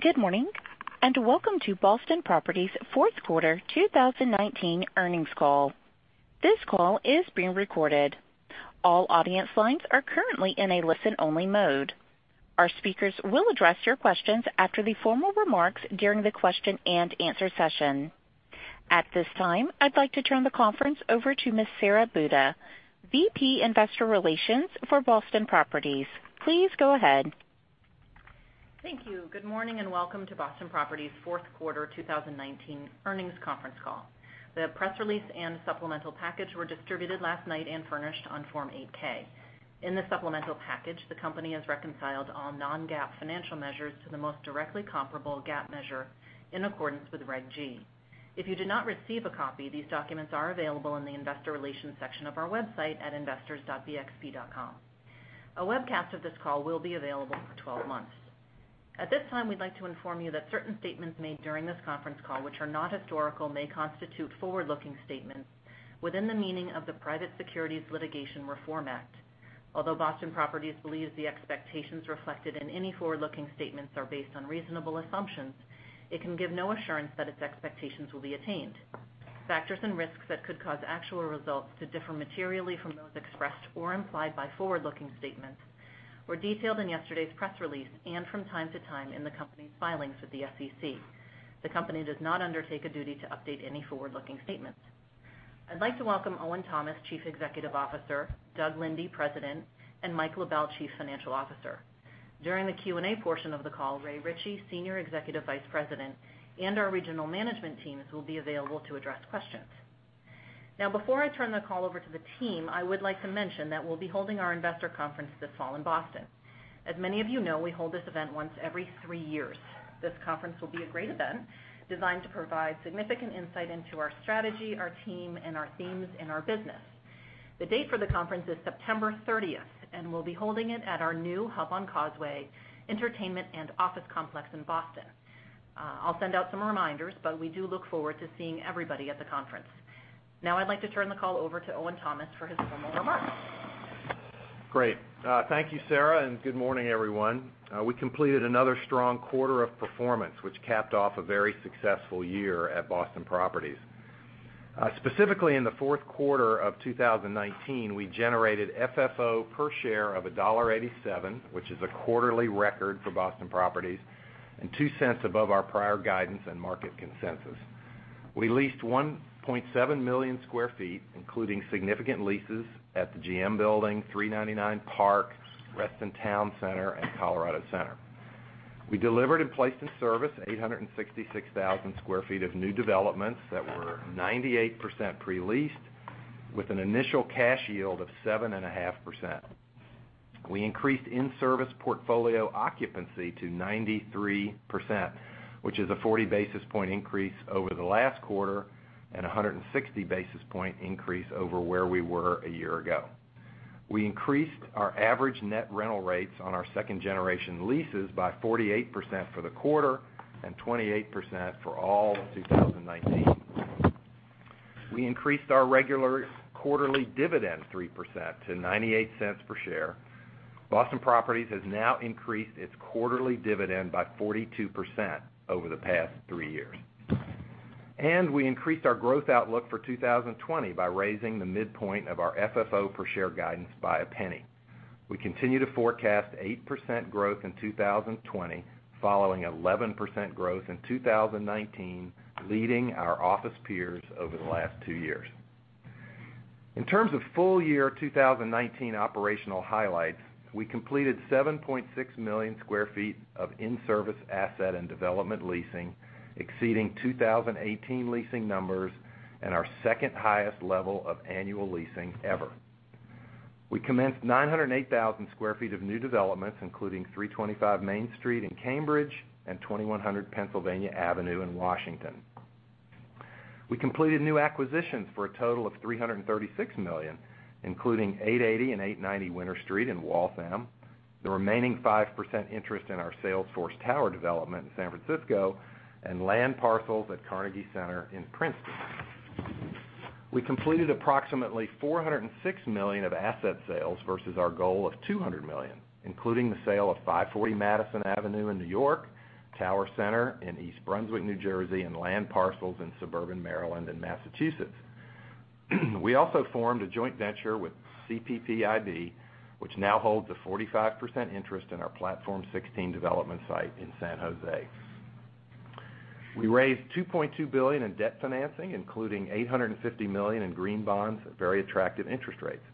Good morning, and welcome to Boston Properties' Fourth Quarter 2019 Earnings Call. This call is being recorded. All audience lines are currently in a listen-only mode. Our speakers will address your questions after the formal remarks during the question-and-answer session. At this time, I'd like to turn the conference over to Ms. Sara Buda, VP, Investor Relations for Boston Properties. Please go ahead. Thank you. Good morning and welcome to Boston Properties' fourth quarter 2019 earnings conference call. The press release and supplemental package were distributed last night and furnished on Form 8-K. In the supplemental package, the company has reconciled all non-GAAP financial measures to the most directly comparable GAAP measure in accordance with Reg G. If you did not receive a copy, these documents are available in the investor relations section of our website at investors.bxp.com. A webcast of this call will be available for 12 months. At this time, we'd like to inform you that certain statements made during this conference call, which are not historical, may constitute forward-looking statements within the meaning of the Private Securities Litigation Reform Act. Although Boston Properties believes the expectations reflected in any forward-looking statements are based on reasonable assumptions, it can give no assurance that its expectations will be attained. Factors and risks that could cause actual results to differ materially from those expressed or implied by forward-looking statements were detailed in yesterday's press release and from time to time in the company's filings with the SEC. The company does not undertake a duty to update any forward-looking statements. I'd like to welcome Owen Thomas, Chief Executive Officer, Doug Linde, President, and Mike LaBelle, Chief Financial Officer. During the Q&A portion of the call, Ray Ritchey, Senior Executive Vice President, and our regional management teams will be available to address questions. Now, before I turn the call over to the team, I would like to mention that we'll be holding our investor conference this fall in Boston. As many of you know, we hold this event once every three years. This conference will be a great event, designed to provide significant insight into our strategy, our team, and our themes in our business. The date for the conference is September 30th, and we'll be holding it at our new Hub on Causeway Entertainment and Office complex in Boston. I'll send out some reminders, but we do look forward to seeing everybody at the conference. Now I'd like to turn the call over to Owen Thomas for his formal remarks. Great. Thank you, Sara, and good morning, everyone. We completed another strong quarter of performance, which capped off a very successful year at Boston Properties. Specifically, in the fourth quarter of 2019, we generated FFO per share of $1.87, which is a quarterly record for Boston Properties and $0.02 above our prior guidance and market consensus. We leased 1.7 million square feet, including significant leases at the GM Building, 399 Park, Reston Town Center, and Colorado Center. We delivered and placed in service 866,000 sq ft of new developments that were 98% pre-leased, with an initial cash yield of 7.5%. We increased in-service portfolio occupancy to 93%, which is a 40-basis point increase over the last quarter and 160-basis point increase over where we were a year ago. We increased our average net rental rates on our second-generation leases by 48% for the quarter and 28% for all of 2019. We increased our regular quarterly dividend 3% to $0.98 per share. Boston Properties has now increased its quarterly dividend by 42% over the past three years. We increased our growth outlook for 2020 by raising the midpoint of our FFO per share guidance by $0.01. We continue to forecast 8% growth in 2020, following 11% growth in 2019, leading our office peers over the last two years. In terms of full year 2019 operational highlights, we completed 7.6 million square feet of in-service asset and development leasing, exceeding 2018 leasing numbers and our second highest level of annual leasing ever. We commenced 908,000 sq ft of new developments, including 325 Main Street in Cambridge and 2100 Pennsylvania Avenue in Washington. We completed new acquisitions for a total of $336 million, including 880 and 890 Winter Street in Waltham, the remaining 5% interest in our Salesforce Tower development in San Francisco, and land parcels at Carnegie Center in Princeton. We completed approximately $406 million of asset sales versus our goal of $200 million, including the sale of 540 Madison Avenue in New York, Tower Center in East Brunswick, New Jersey, and land parcels in suburban Maryland and Massachusetts. We also formed a joint venture with CPPIB, which now holds a 45% interest in our Platform 16 development site in San Jose. We raised $2.2 billion in debt financing, including $850 million in green bonds at very attractive interest rates.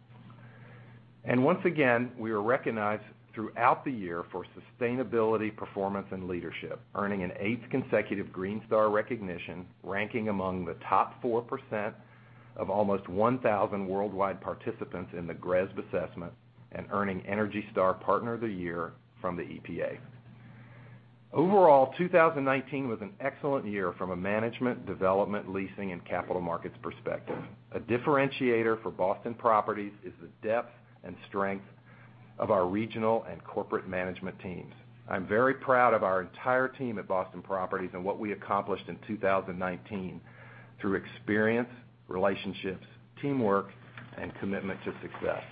Once again, we were recognized throughout the year for sustainability, performance, and leadership, earning an eighth consecutive Green Star recognition, ranking among the top 4% of almost 1,000 worldwide participants in the GRESB assessment and earning ENERGY STAR Partner of the Year from the EPA. Overall, 2019 was an excellent year from a management, development, leasing, and capital markets perspective. A differentiator for Boston Properties is the depth and strength of our regional and corporate management teams. I'm very proud of our entire team at Boston Properties and what we accomplished in 2019 through experience, relationships, teamwork, and commitment to success.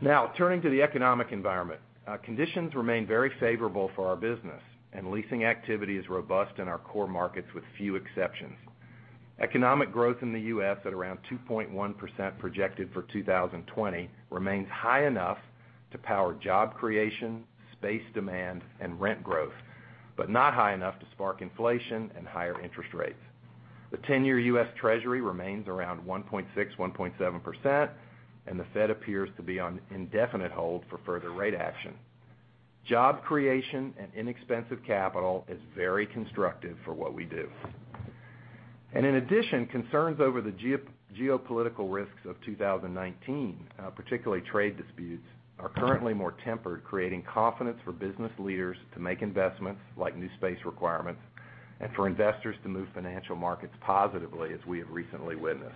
Now, turning to the economic environment. Conditions remain very favorable for our business, and leasing activity is robust in our core markets with few exceptions. Economic growth in the U.S. at around 2.1% projected for 2020 remains high enough to power job creation, space demand, and rent growth, but not high enough to spark inflation and higher interest rates. The 10-year U.S. Treasury remains around 1.6%, 1.7%, and the Fed appears to be on indefinite hold for further rate action. Job creation and inexpensive capital is very constructive for what we do. In addition, concerns over the geopolitical risks of 2019, particularly trade disputes, are currently more tempered, creating confidence for business leaders to make investments like new space requirements and for investors to move financial markets positively, as we have recently witnessed.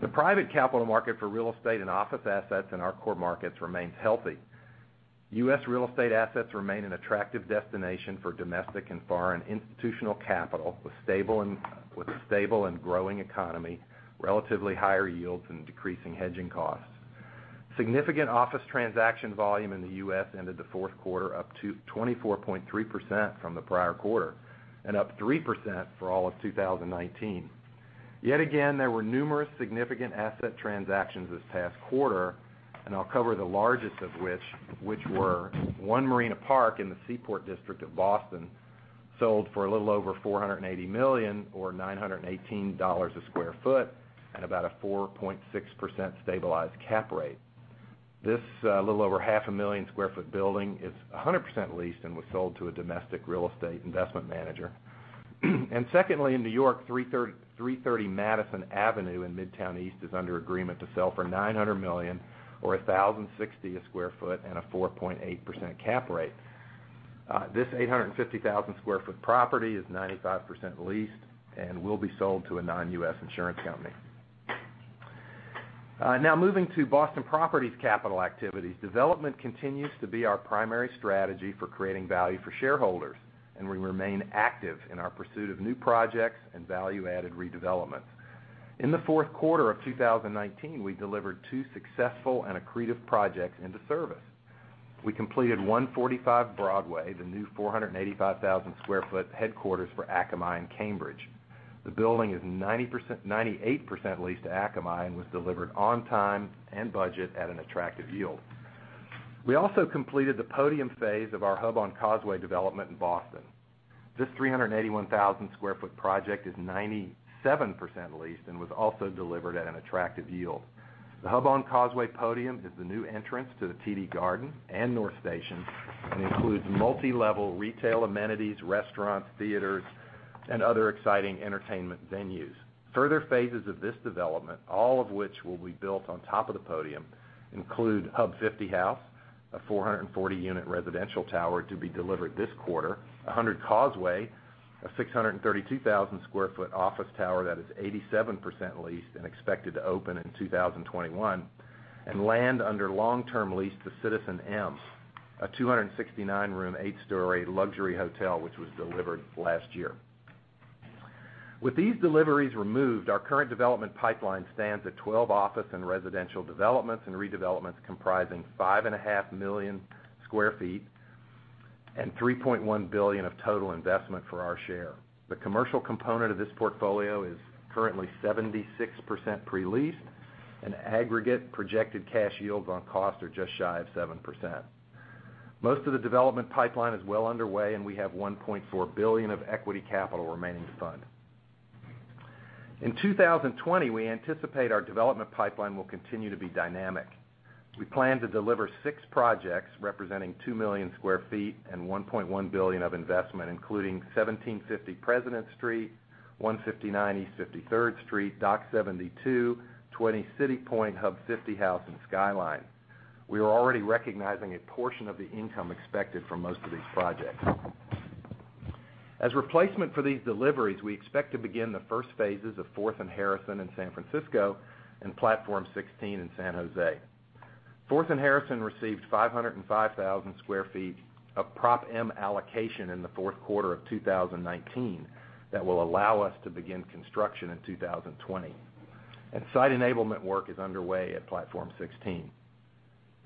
The private capital market for real estate and office assets in our core markets remains healthy. U.S. real estate assets remain an attractive destination for domestic and foreign institutional capital, with a stable and growing economy, relatively higher yields, and decreasing hedging costs. Significant office transaction volume in the U.S. ended the fourth quarter up 24.3% from the prior quarter and up 3% for all of 2019. Yet again, there were numerous significant asset transactions this past quarter, I'll cover the largest of which were One Marina Park in the Seaport District of Boston, sold for a little over $480 million or $918 a square foot at about a 4.6% stabilized cap rate. This a little over 500,000 sq ft building is 100% leased and was sold to a domestic real estate investment manager. Secondly, in New York, 330 Madison Avenue in Midtown East is under agreement to sell for $900 million or $1,060 a square foot and a 4.8% cap rate. This 850,000 sq ft property is 95% leased and will be sold to a non-U.S. insurance company. Moving to Boston Properties capital activities. Development continues to be our primary strategy for creating value for shareholders. We remain active in our pursuit of new projects and value-added redevelopments. In the fourth quarter of 2019, we delivered two successful and accretive projects into service. We completed 145 Broadway, the new 485,000 sq ft headquarters for Akamai in Cambridge. The building is 98% leased to Akamai and was delivered on time and budget at an attractive yield. We also completed the podium phase of our Hub on Causeway development in Boston. This 381,000 sq ft project is 97% leased and was also delivered at an attractive yield. The Hub on Causeway Podium is the new entrance to the TD Garden and North Station and includes multi-level retail amenities, restaurants, theaters, and other exciting entertainment venues. Further phases of this development, all of which will be built on top of the Podium, include Hub 50 House, a 440-unit residential tower to be delivered this quarter, 100 Causeway, a 632,000 sq ft office tower that is 87% leased and expected to open in 2021, and land under long-term lease to citizenM, a 269-room, eight-story luxury hotel, which was delivered last year. With these deliveries removed, our current development pipeline stands at 12 office and residential developments and redevelopments comprising 5.5 million square feet and $3.1 billion of total investment for our share. The commercial component of this portfolio is currently 76% pre-leased and aggregate projected cash yields on cost are just shy of 7%. Most of the development pipeline is well underway, and we have $1.4 billion of equity capital remaining to fund. In 2020, we anticipate our development pipeline will continue to be dynamic. We plan to deliver six projects representing 2 million square feet and $1.1 billion of investment, including 1750 Presidents Street, 159 East 53rd Street, Dock72, 20 CityPoint, Hub 50 House, and Skyline. We are already recognizing a portion of the income expected from most of these projects. As replacement for these deliveries, we expect to begin the first phases of Fourth and Harrison in San Francisco and Platform 16 in San Jose. Fourth and Harrison received 505,000 sq ft of Prop M allocation in the fourth quarter of 2019 that will allow us to begin construction in 2020. Site enablement work is underway at Platform 16.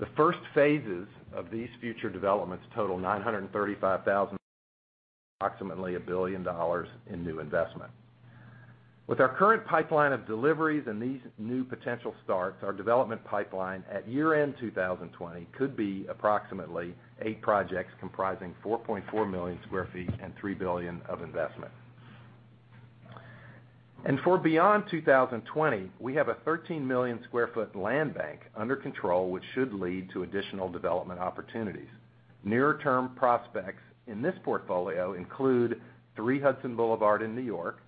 The first phases of these future developments total 935,000, approximately $1 billion in new investment. With our current pipeline of deliveries and these new potential starts, our development pipeline at year-end 2020 could be approximately eight projects comprising 4.4 million square feet and $3 billion of investment. For beyond 2020, we have a 13 million square feet land bank under control, which should lead to additional development opportunities. Near-term prospects in this portfolio include 3 Hudson Boulevard in New York,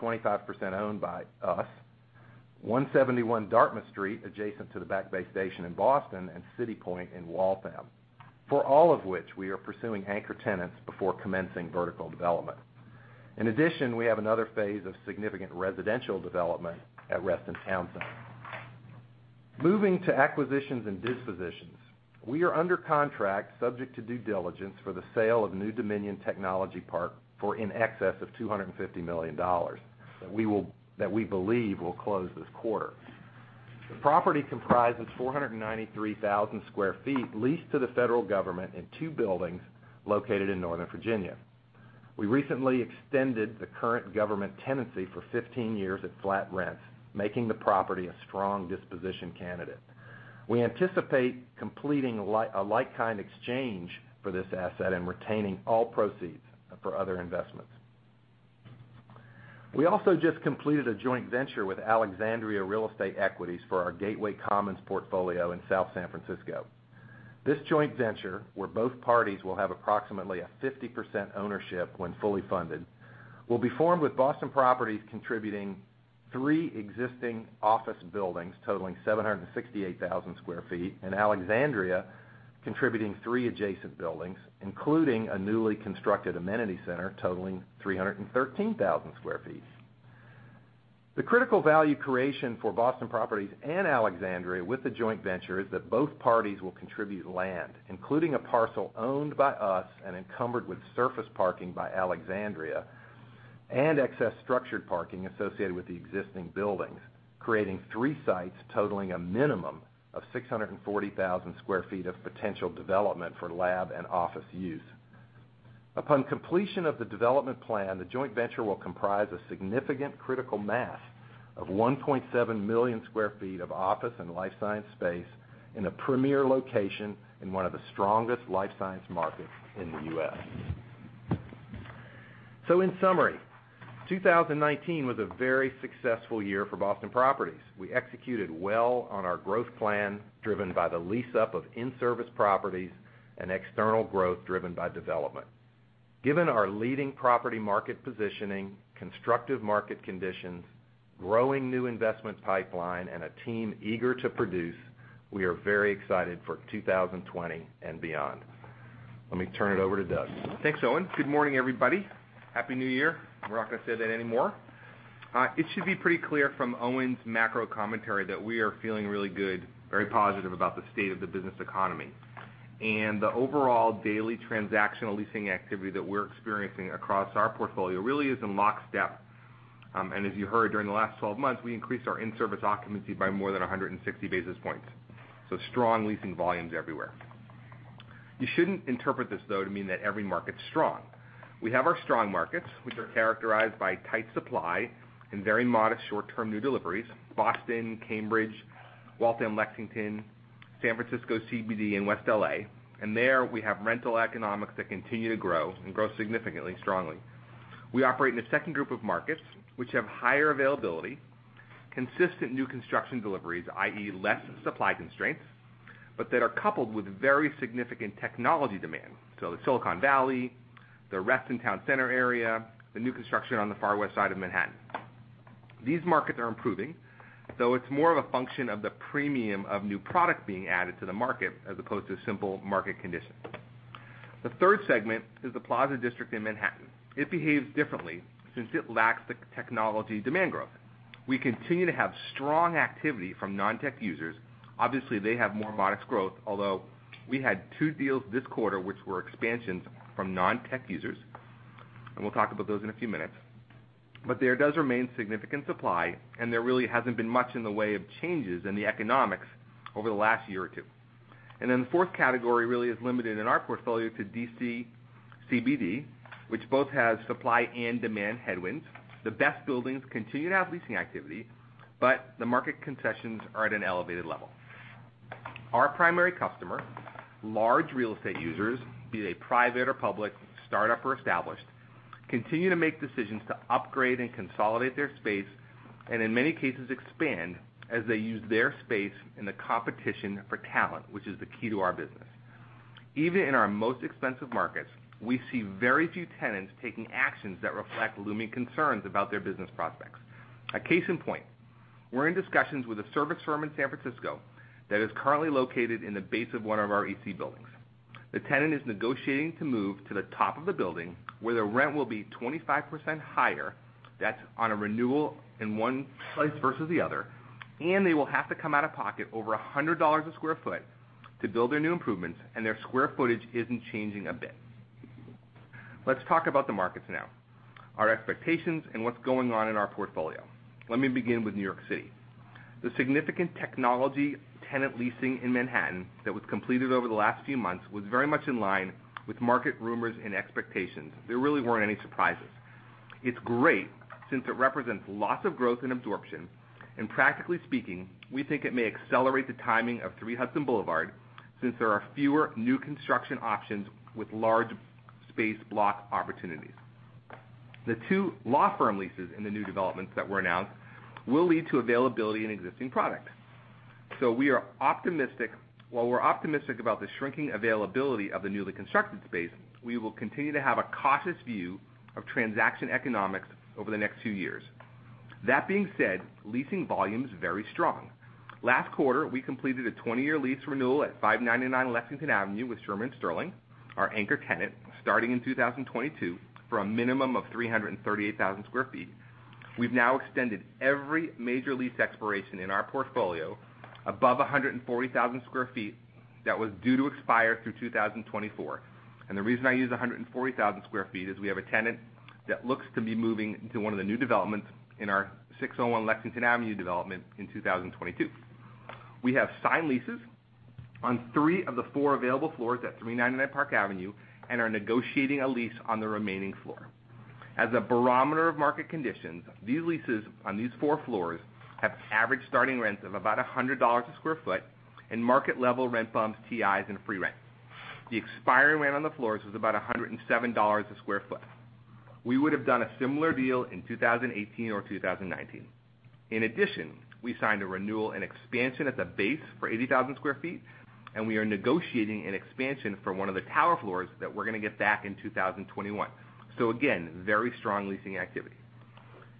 25% owned by us, 171 Dartmouth Street, adjacent to the Back Bay Station in Boston, and 20 CityPoint in Waltham. For all of which, we are pursuing anchor tenants before commencing vertical development. In addition, we have another phase of significant residential development at Reston Town Center. Moving to acquisitions and dispositions. We are under contract subject to due diligence for the sale of New Dominion Technology Park for in excess of $250 million that we believe will close this quarter. The property comprises 493,000 sq ft leased to the federal government in two buildings located in Northern Virginia. We recently extended the current government tenancy for 15 years at flat rents, making the property a strong disposition candidate. We anticipate completing a like-kind exchange for this asset and retaining all proceeds for other investments. We also just completed a joint venture with Alexandria Real Estate Equities for our Gateway Commons portfolio in South San Francisco. This joint venture, where both parties will have approximately a 50% ownership when fully funded, will be formed with Boston Properties contributing three existing office buildings totaling 768,000 sq ft, and Alexandria contributing three adjacent buildings, including a newly constructed amenity center totaling 313,000 sq ft. The critical value creation for Boston Properties and Alexandria with the joint venture is that both parties will contribute land, including a parcel owned by us and encumbered with surface parking by Alexandria, and excess structured parking associated with the existing buildings, creating three sites totaling a minimum of 640,000 sq ft of potential development for lab and office use. Upon completion of the development plan, the joint venture will comprise a significant critical mass of 1.7 million square feet of office and life science space in a premier location in one of the strongest life science markets in the U.S. In summary, 2019 was a very successful year for Boston Properties. We executed well on our growth plan, driven by the lease up of in-service properties and external growth driven by development. Given our leading property market positioning, constructive market conditions, growing new investment pipeline, and a team eager to produce, we are very excited for 2020 and beyond. Let me turn it over to Doug. Thanks, Owen. Good morning, everybody. Happy New Year. We're not going to say that anymore. It should be pretty clear from Owen's macro commentary that we are feeling really good, very positive about the state of the business economy. The overall daily transactional leasing activity that we're experiencing across our portfolio really is in lockstep. As you heard, during the last 12 months, we increased our in-service occupancy by more than 160 basis points. Strong leasing volumes everywhere. You shouldn't interpret this, though, to mean that every market's strong. We have our strong markets, which are characterized by tight supply and very modest short-term new deliveries, Boston, Cambridge, Waltham, Lexington, San Francisco CBD, and West L.A., and there we have rental economics that continue to grow and grow significantly strongly. We operate in a second group of markets which have higher availability, consistent new construction deliveries, i.e., less supply constraints, but that are coupled with very significant technology demand, so the Silicon Valley, the Reston Town Center area, the new construction on the far west side of Manhattan. These markets are improving, though it's more of a function of the premium of new product being added to the market as opposed to simple market conditions. The third segment is the Plaza District in Manhattan. It behaves differently since it lacks the technology demand growth. We continue to have strong activity from non-tech users. Obviously, they have more modest growth, although we had two deals this quarter which were expansions from non-tech users, and we'll talk about those in a few minutes. There does remain significant supply, and there really hasn't been much in the way of changes in the economics over the last year or two. The fourth category really is limited in our portfolio to D.C. CBD, which both has supply and demand headwinds. The best buildings continue to have leasing activity, the market concessions are at an elevated level. Our primary customer, large real estate users, be they private or public, startup or established, continue to make decisions to upgrade and consolidate their space and in many cases expand as they use their space in the competition for talent, which is the key to our business. Even in our most expensive markets, we see very few tenants taking actions that reflect looming concerns about their business prospects. A case in point, we're in discussions with a service firm in San Francisco that is currently located in the base of one of our EC buildings. The tenant is negotiating to move to the top of the building where the rent will be 25% higher. That's on a renewal in one place versus the other. They will have to come out of pocket over $100 a square foot to build their new improvements. Their square footage isn't changing a bit. Let's talk about the markets now, our expectations, and what's going on in our portfolio. Let me begin with New York City. The significant technology tenant leasing in Manhattan that was completed over the last few months was very much in line with market rumors and expectations. There really weren't any surprises. It's great since it represents lots of growth and absorption. Practically speaking, we think it may accelerate the timing of 3 Hudson Boulevard since there are fewer new construction options with large space block opportunities. The two law firm leases in the new developments that were announced will lead to availability in existing products. While we're optimistic about the shrinking availability of the newly constructed space, we will continue to have a cautious view of transaction economics over the next few years. That being said, leasing volume is very strong. Last quarter, we completed a 20-year lease renewal at 599 Lexington Avenue with Shearman & Sterling, our anchor tenant, starting in 2022 for a minimum of 338,000 sq ft. We've now extended every major lease expiration in our portfolio above 140,000 sq ft that was due to expire through 2024. The reason I use 140,000 sq ft is we have a tenant that looks to be moving into one of the new developments in our 601 Lexington Avenue development in 2022. We have signed leases on three of the four available floors at 399 Park Avenue and are negotiating a lease on the remaining floor. As a barometer of market conditions, these leases on these four floors have average starting rents of about $100 a sq ft and market level rent bumps, TIs, and free rent. The expiring rent on the floors was about $107 a sq ft. We would have done a similar deal in 2018 or 2019. In addition, we signed a renewal and expansion at the base for 80,000 sq ft, and we are negotiating an expansion for one of the tower floors that we're going to get back in 2021. Again, very strong leasing activity.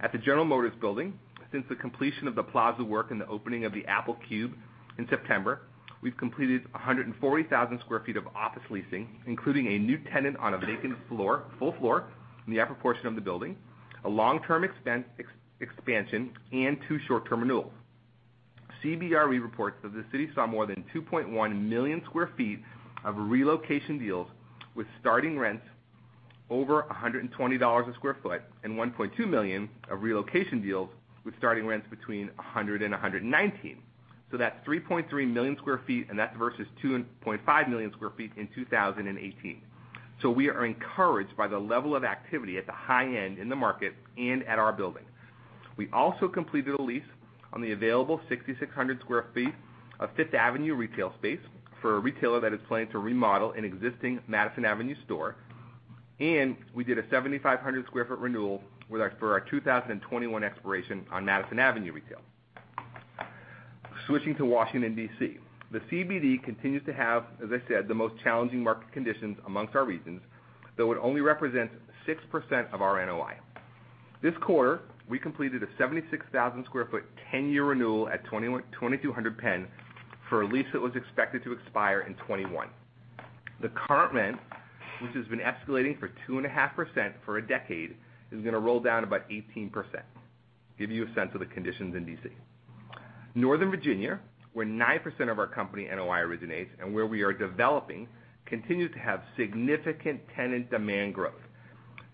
At the General Motors Building, since the completion of the plaza work and the opening of the Apple Cube in September, we've completed 140,000 square feet of office leasing, including a new tenant on a vacant full floor in the upper portion of the building, a long-term expansion, and two short-term renewals. CBRE reports that the city saw more than 2.1 million square feet of relocation deals with starting rents over $120 a square foot and 1.2 million of relocation deals with starting rents between $100 and $119. That's 3.3 million square feet, and that's versus 2.5 million square feet in 2018. We are encouraged by the level of activity at the high end in the market and at our building. We also completed a lease on the available 6,600 sq ft of Fifth Avenue retail space for a retailer that is planning to remodel an existing Madison Avenue store, and we did a 7,500 sq ft renewal for our 2021 expiration on Madison Avenue retail. Switching to Washington, D.C. The CBD continues to have, as I said, the most challenging market conditions amongst our regions, though it only represents 6% of our NOI. This quarter, we completed a 76,000 sq ft 10-year renewal at 2200 Penn for a lease that was expected to expire in 2021. The current rent, which has been escalating for 2.5% for a decade, is going to roll down about 18%. Give you a sense of the conditions in D.C. Northern Virginia, where 9% of our company NOI originates and where we are developing, continues to have significant tenant demand growth.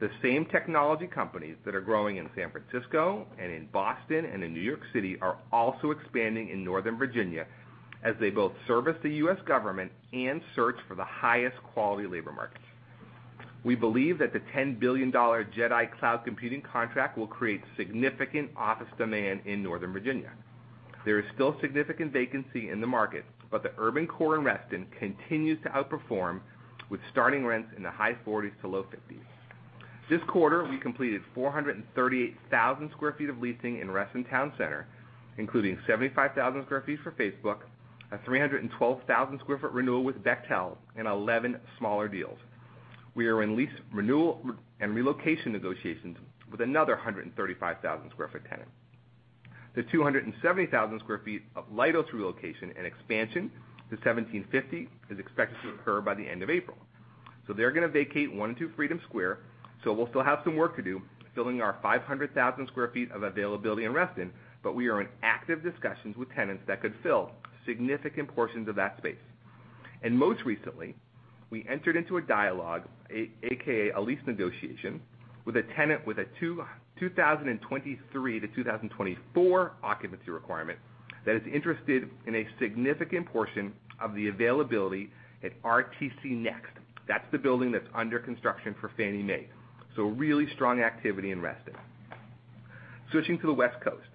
The same technology companies that are growing in San Francisco and in Boston and in New York City are also expanding in Northern Virginia as they both service the U.S. government and search for the highest quality labor markets. We believe that the $10 billion JEDI Cloud computing contract will create significant office demand in Northern Virginia. There is still significant vacancy in the market, but the urban core in Reston continues to outperform, with starting rents in the high 40s to low 50s. This quarter, we completed 438,000 sq ft of leasing in Reston Town Center, including 75,000 sq ft for Facebook, a 312,000 sq ft renewal with Bechtel, and 11 smaller deals. We are in lease renewal and relocation negotiations with another 135,000 sq ft tenant. The 270,000 sq ft of Leidos relocation and expansion to 1750 is expected to occur by the end of April. They're going to vacate one and two Freedom Square, so we'll still have some work to do filling our 500,000 sq ft of availability in Reston, but we are in active discussions with tenants that could fill significant portions of that space. Most recently, we entered into a dialogue, AKA a lease negotiation, with a tenant with a 2023 to 2024 occupancy requirement that is interested in a significant portion of the availability at RTC Next. That's the building that's under construction for Fannie Mae. Really strong activity in Reston. Switching to the West Coast.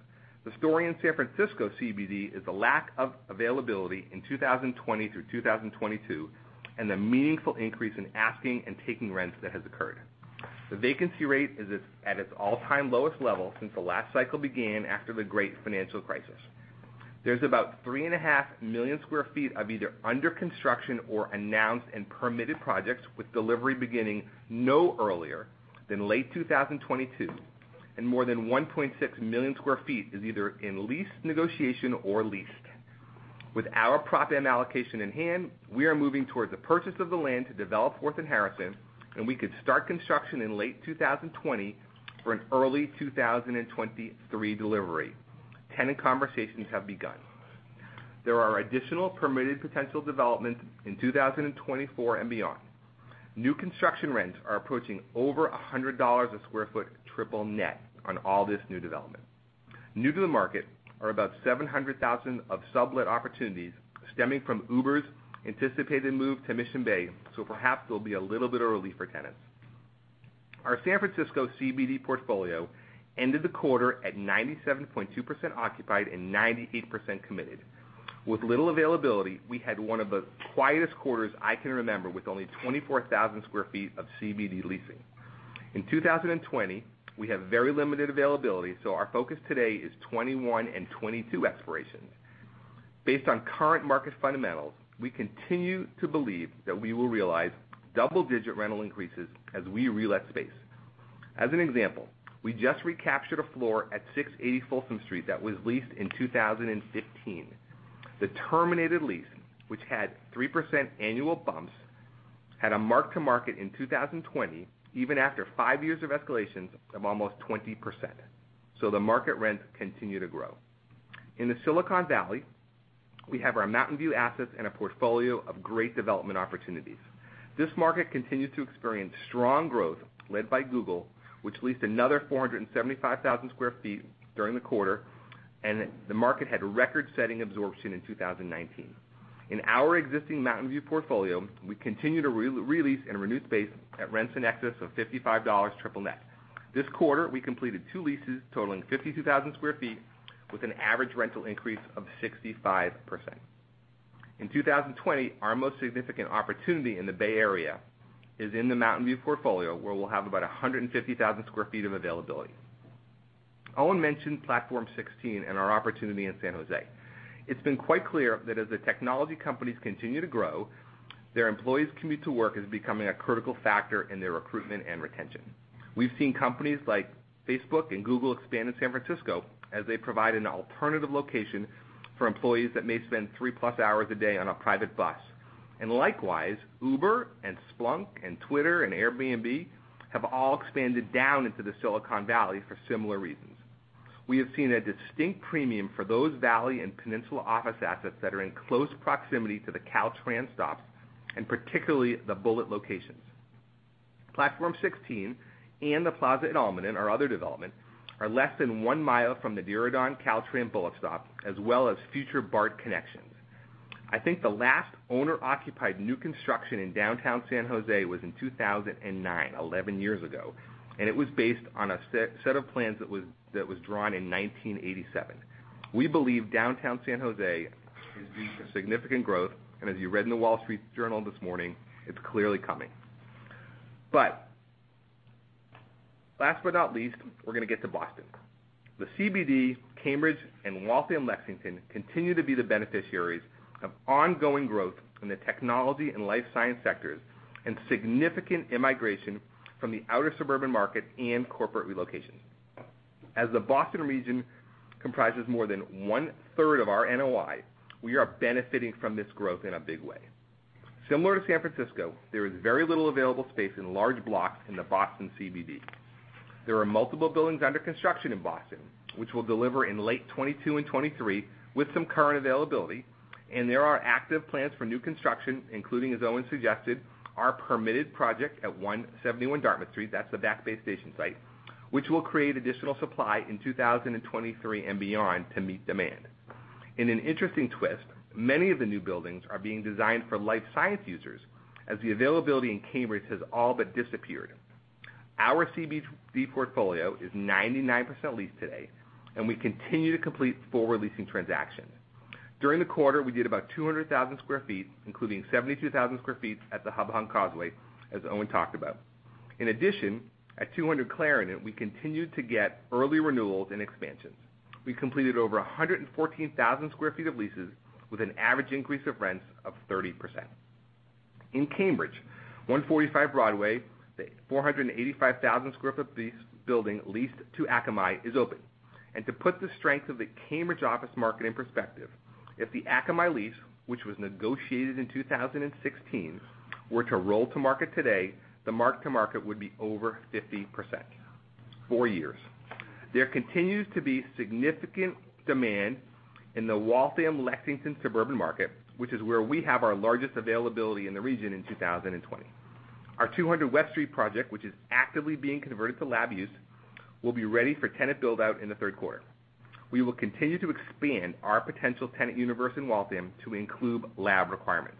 The story in San Francisco CBD is the lack of availability in 2020 through 2022 and the meaningful increase in asking and taking rents that has occurred. The vacancy rate is at its all-time lowest level since the last cycle began after the great financial crisis. There's about 3.5 million square feet of either under construction or announced and permitted projects, with delivery beginning no earlier than late 2022, and more than 1.6 million square feet is either in lease negotiation or leased. With our Prop M allocation in hand, we are moving towards the purchase of the land to develop Fourth and Harrison, and we could start construction in late 2020 for an early 2023 delivery. Tenant conversations have begun. There are additional permitted potential developments in 2024 and beyond. New construction rents are approaching over $100 a square foot triple net on all this new development. New to the market are about 700,000 of sublet opportunities stemming from Uber's anticipated move to Mission Bay, perhaps there'll be a little bit of relief for tenants. Our San Francisco CBD portfolio ended the quarter at 97.2% occupied and 98% committed. With little availability, we had one of the quietest quarters I can remember with only 24,000 sq ft of CBD leasing. In 2020, we have very limited availability, so our focus today is 2021 and 2022 expirations. Based on current market fundamentals, we continue to believe that we will realize double-digit rental increases as we re-let space. As an example, we just recaptured a floor at 680 Folsom Street that was leased in 2015. The terminated lease, which had 3% annual bumps. Had a mark-to-market in 2020, even after five years of escalations, of almost 20%. The market rents continue to grow. In the Silicon Valley, we have our Mountain View assets and a portfolio of great development opportunities. This market continues to experience strong growth led by Google, which leased another 475,000 sq ft during the quarter, and the market had a record-setting absorption in 2019. In our existing Mountain View portfolio, we continue to re-lease and renew space at rents in excess of $55 triple net. This quarter, we completed two leases totaling 52,000 sq ft, with an average rental increase of 65%. In 2020, our most significant opportunity in the Bay Area is in the Mountain View portfolio, where we'll have about 150,000 sq ft of availability. Owen mentioned Platform 16 and our opportunity in San Jose. It's been quite clear that as the technology companies continue to grow, their employees' commute to work is becoming a critical factor in their recruitment and retention. We've seen companies like Facebook and Google expand in San Francisco as they provide an alternative location for employees that may spend 3+ hours a day on a private bus. Likewise, Uber and Splunk and Twitter and Airbnb have all expanded down into the Silicon Valley for similar reasons. We have seen a distinct premium for those Valley and peninsula office assets that are in close proximity to the Caltrain stops, and particularly the bullet locations. Platform 16 and The Plaza at Almaden, our other development, are less than 1 mi from the Diridon Caltrain bullet stop, as well as future BART connections. I think the last owner-occupied new construction in downtown San Jose was in 2009, 11 years ago. It was based on a set of plans that was drawn in 1987. We believe downtown San Jose is seeing significant growth, and as you read in The Wall Street Journal this morning, it's clearly coming. Last but not least, we're going to get to Boston. The CBD, Cambridge, and Waltham Lexington continue to be the beneficiaries of ongoing growth in the technology and life science sectors, significant immigration from the outer suburban markets and corporate relocations. As the Boston region comprises more than 1/3 of our NOI, we are benefiting from this growth in a big way. Similar to San Francisco, there is very little available space in large blocks in the Boston CBD. There are multiple buildings under construction in Boston, which will deliver in late 2022 and 2023 with some current availability, and there are active plans for new construction, including, as Owen suggested, our permitted project at 171 Dartmouth Street, that's the Back Bay Station site, which will create additional supply in 2023 and beyond to meet demand. In an interesting twist, many of the new buildings are being designed for life science users as the availability in Cambridge has all but disappeared. Our CBD portfolio is 99% leased today, and we continue to complete full re-leasing transactions. During the quarter, we did about 200,000 sq ft, including 72,000 sq ft at The Hub on Causeway, as Owen talked about. In addition, at 200 Clarendon, we continued to get early renewals and expansions. We completed over 114,000 sq ft of leases with an average increase of rents of 30%. In Cambridge, 145 Broadway, the 485,000 sq ft building leased to Akamai is open. To put the strength of the Cambridge office market in perspective, if the Akamai lease, which was negotiated in 2016, were to roll to market today, the mark-to-market would be over 50%. Four years. There continues to be significant demand in the Waltham/Lexington suburban market, which is where we have our largest availability in the region in 2020. Our 200 West Street project, which is actively being converted to lab use, will be ready for tenant build-out in the third quarter. We will continue to expand our potential tenant universe in Waltham to include lab requirements.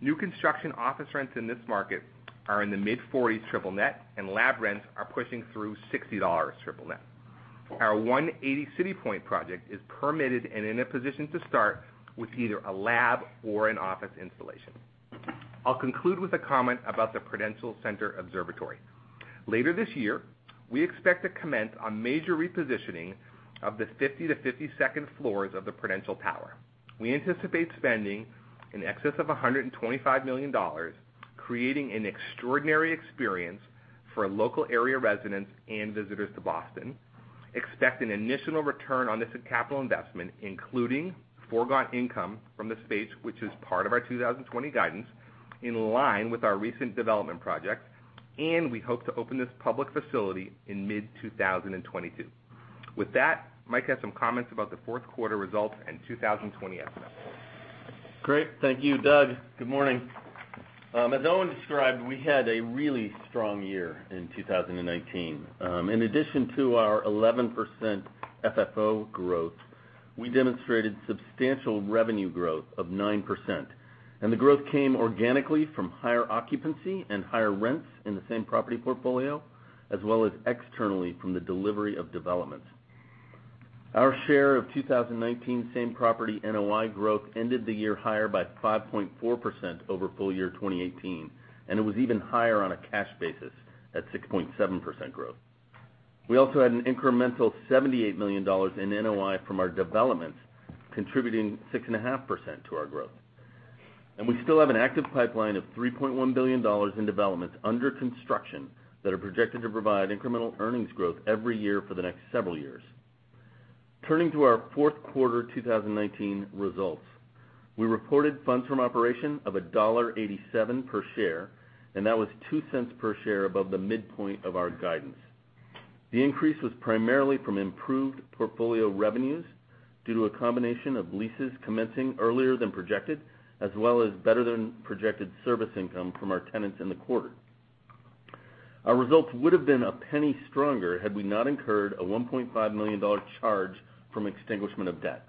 New construction office rents in this market are in the mid-40 triple net, and lab rents are pushing through $60 triple net. Our 180 CityPoint project is permitted and, in a position, to start with either a lab or an office installation. I'll conclude with a comment about the Prudential Center Observatory. Later this year, we expect to commence on major repositioning of the 50-52nd floors of the Prudential Tower. We anticipate spending in excess of $125 million, creating an extraordinary experience for local area residents and visitors to Boston. Expect an initial return on this capital investment, including forgone income from the space, which is part of our 2020 guidance, in line with our recent development projects, and we hope to open this public facility in mid-2022. With that, Mike has some comments about the fourth quarter results and 2020 estimates. Great. Thank you, Doug. Good morning. As Owen described, we had a really strong year in 2019. In addition to our 11% FFO growth, we demonstrated substantial revenue growth of 9%. The growth came organically from higher occupancy and higher rents in the same property portfolio, as well as externally from the delivery of developments. Our share of 2019 same-property NOI growth ended the year higher by 5.4% over full year 2018, and it was even higher on a cash basis at 6.7% growth. We also had an incremental $78 million in NOI from our developments, contributing 6.5% to our growth. We still have an active pipeline of $3.1 billion in developments under construction that are projected to provide incremental earnings growth every year for the next several years. Turning to our fourth quarter 2019 results. We reported funds from operation of $1.87 per share. That was $0.02 per share above the midpoint of our guidance. The increase was primarily from improved portfolio revenues due to a combination of leases commencing earlier than projected, as well as better than projected service income from our tenants in the quarter. Our results would've been $0.01 stronger had we not incurred a $1.5 million charge from extinguishment of debt.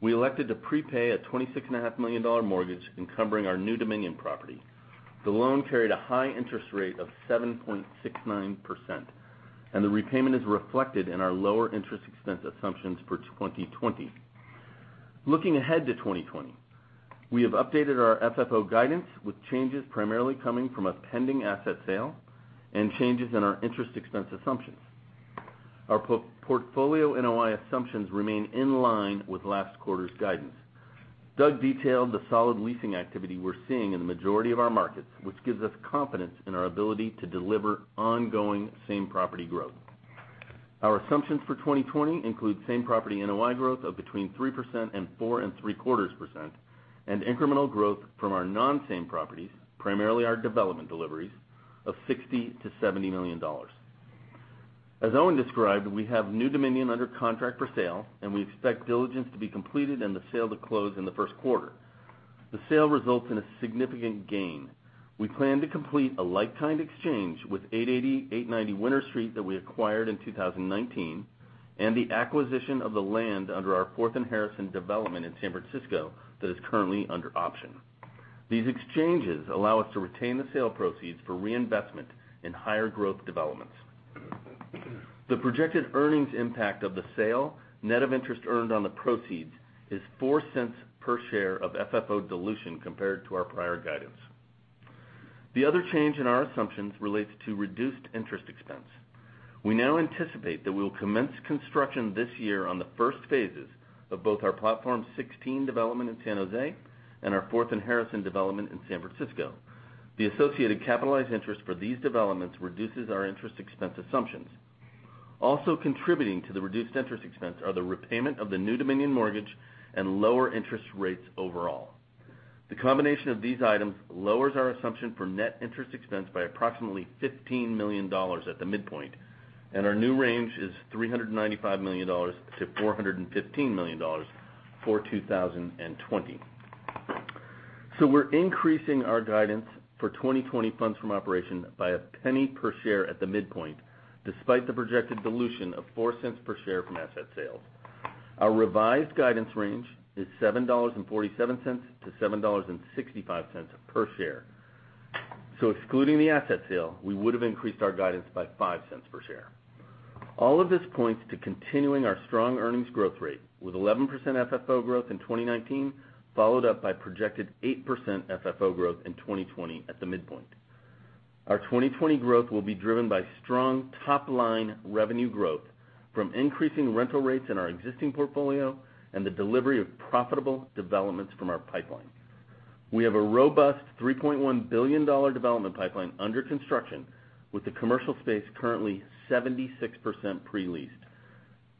We elected to prepay a $26.5 million mortgage encumbering our New Dominion property. The loan carried a high interest rate of 7.69%. The repayment is reflected in our lower interest expense assumptions for 2020. Looking ahead to 2020, we have updated our FFO guidance with changes primarily coming from a pending asset sale and changes in our interest expense assumptions. Our portfolio NOI assumptions remain in line with last quarter's guidance. Doug detailed the solid leasing activity we're seeing in the majority of our markets, which gives us confidence in our ability to deliver ongoing same property growth. Our assumptions for 2020 include same property NOI growth of between 3% and 4.75%, and incremental growth from our non-same properties, primarily our development deliveries, of $60 million-$70 million. As Owen described, we have New Dominion under contract for sale, and we expect diligence to be completed and the sale to close in the first quarter. The sale results in a significant gain. We plan to complete a like-kind exchange with 880, 890 Winter Street that we acquired in 2019, and the acquisition of the land under our Fourth and Harrison development in San Francisco that is currently under option. These exchanges allow us to retain the sale proceeds for reinvestment in higher growth developments. The projected earnings impact of the sale, net of interest earned on the proceeds, is $0.04 per share of FFO dilution compared to our prior guidance. The other change in our assumptions relates to reduced interest expense. We now anticipate that we'll commence construction this year on the first phases of both our Platform 16 development in San Jose and our Fourth and Harrison development in San Francisco. The associated capitalized interest for these developments reduces our interest expense assumptions. Also contributing to the reduced interest expense are the repayment of the New Dominion mortgage and lower interest rates overall. The combination of these items lowers our assumption for net interest expense by approximately $15 million at the midpoint, and our new range is $395 million-$415 million for 2020. We're increasing our guidance for 2020 funds from operation by $0.01 per share at the midpoint, despite the projected dilution of $0.04 per share from asset sales. Our revised guidance range is $7.47-$7.65 per share. Excluding the asset sale, we would've increased our guidance by $0.05 per share. All of this points to continuing our strong earnings growth rate with 11% FFO growth in 2019, followed up by projected 8% FFO growth in 2020 at the midpoint. Our 2020 growth will be driven by strong top-line revenue growth from increasing rental rates in our existing portfolio and the delivery of profitable developments from our pipeline. We have a robust $3.1 billion development pipeline under construction with the commercial space currently 76% pre-leased.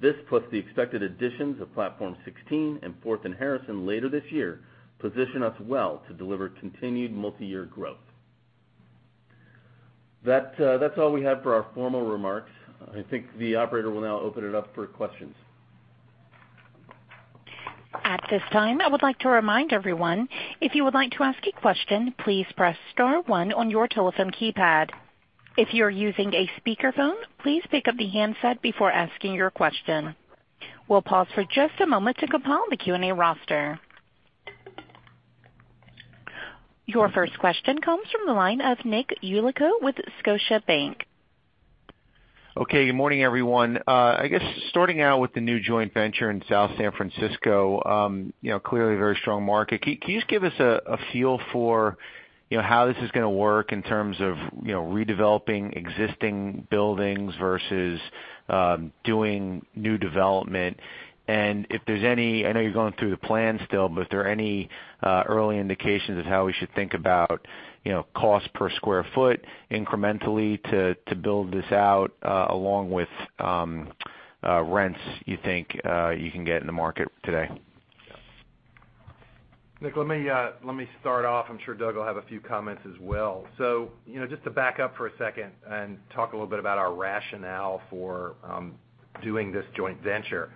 This, plus the expected additions of Platform 16 and Fourth and Harrison later this year, position us well to deliver continued multi-year growth. That's all we have for our formal remarks. I think the operator will now open it up for questions. At this time, I would like to remind everyone, if you would like to ask a question, please press star one on your telephone keypad. If you're using a speakerphone, please pick up the handset before asking your question. We'll pause for just a moment to compile the Q&A roster. Your first question comes from the line of Nick Yulico with Scotiabank. Okay, good morning, everyone. I guess starting out with the new joint venture in South San Francisco, clearly a very strong market. Can you just give us a feel for how this is going to work in terms of redeveloping existing buildings versus doing new development? If there's any, I know you're going through the plans still, but are there any early indications of how we should think about cost per square foot incrementally to build this out, along with rents you think you can get in the market today? Nick, let me start off. I'm sure Doug will have a few comments as well. Just to back up for a second and talk a little bit about our rationale for doing this joint venture.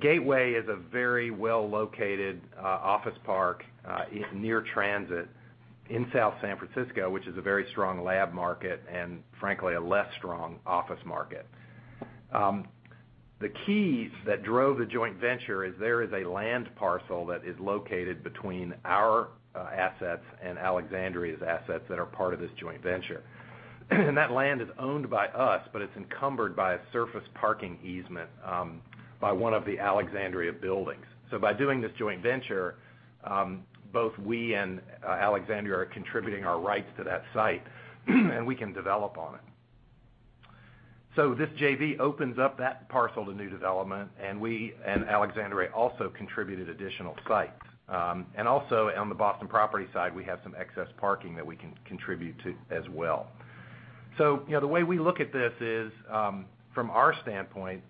Gateway is a very well-located office park near transit in South San Francisco, which is a very strong lab market, and frankly, a less strong office market. The keys that drove the joint venture is there is a land parcel that is located between our assets and Alexandria's assets that are part of this joint venture. That land is owned by us, but it's encumbered by a surface parking easement by one of the Alexandria buildings. By doing this joint venture, both we and Alexandria are contributing our rights to that site, and we can develop on it. This JV opens up that parcel to new development, and we and Alexandria also contributed additional sites. Also on the Boston Properties side, we have some excess parking that we can contribute to as well. The way we look at this is, from our standpoint,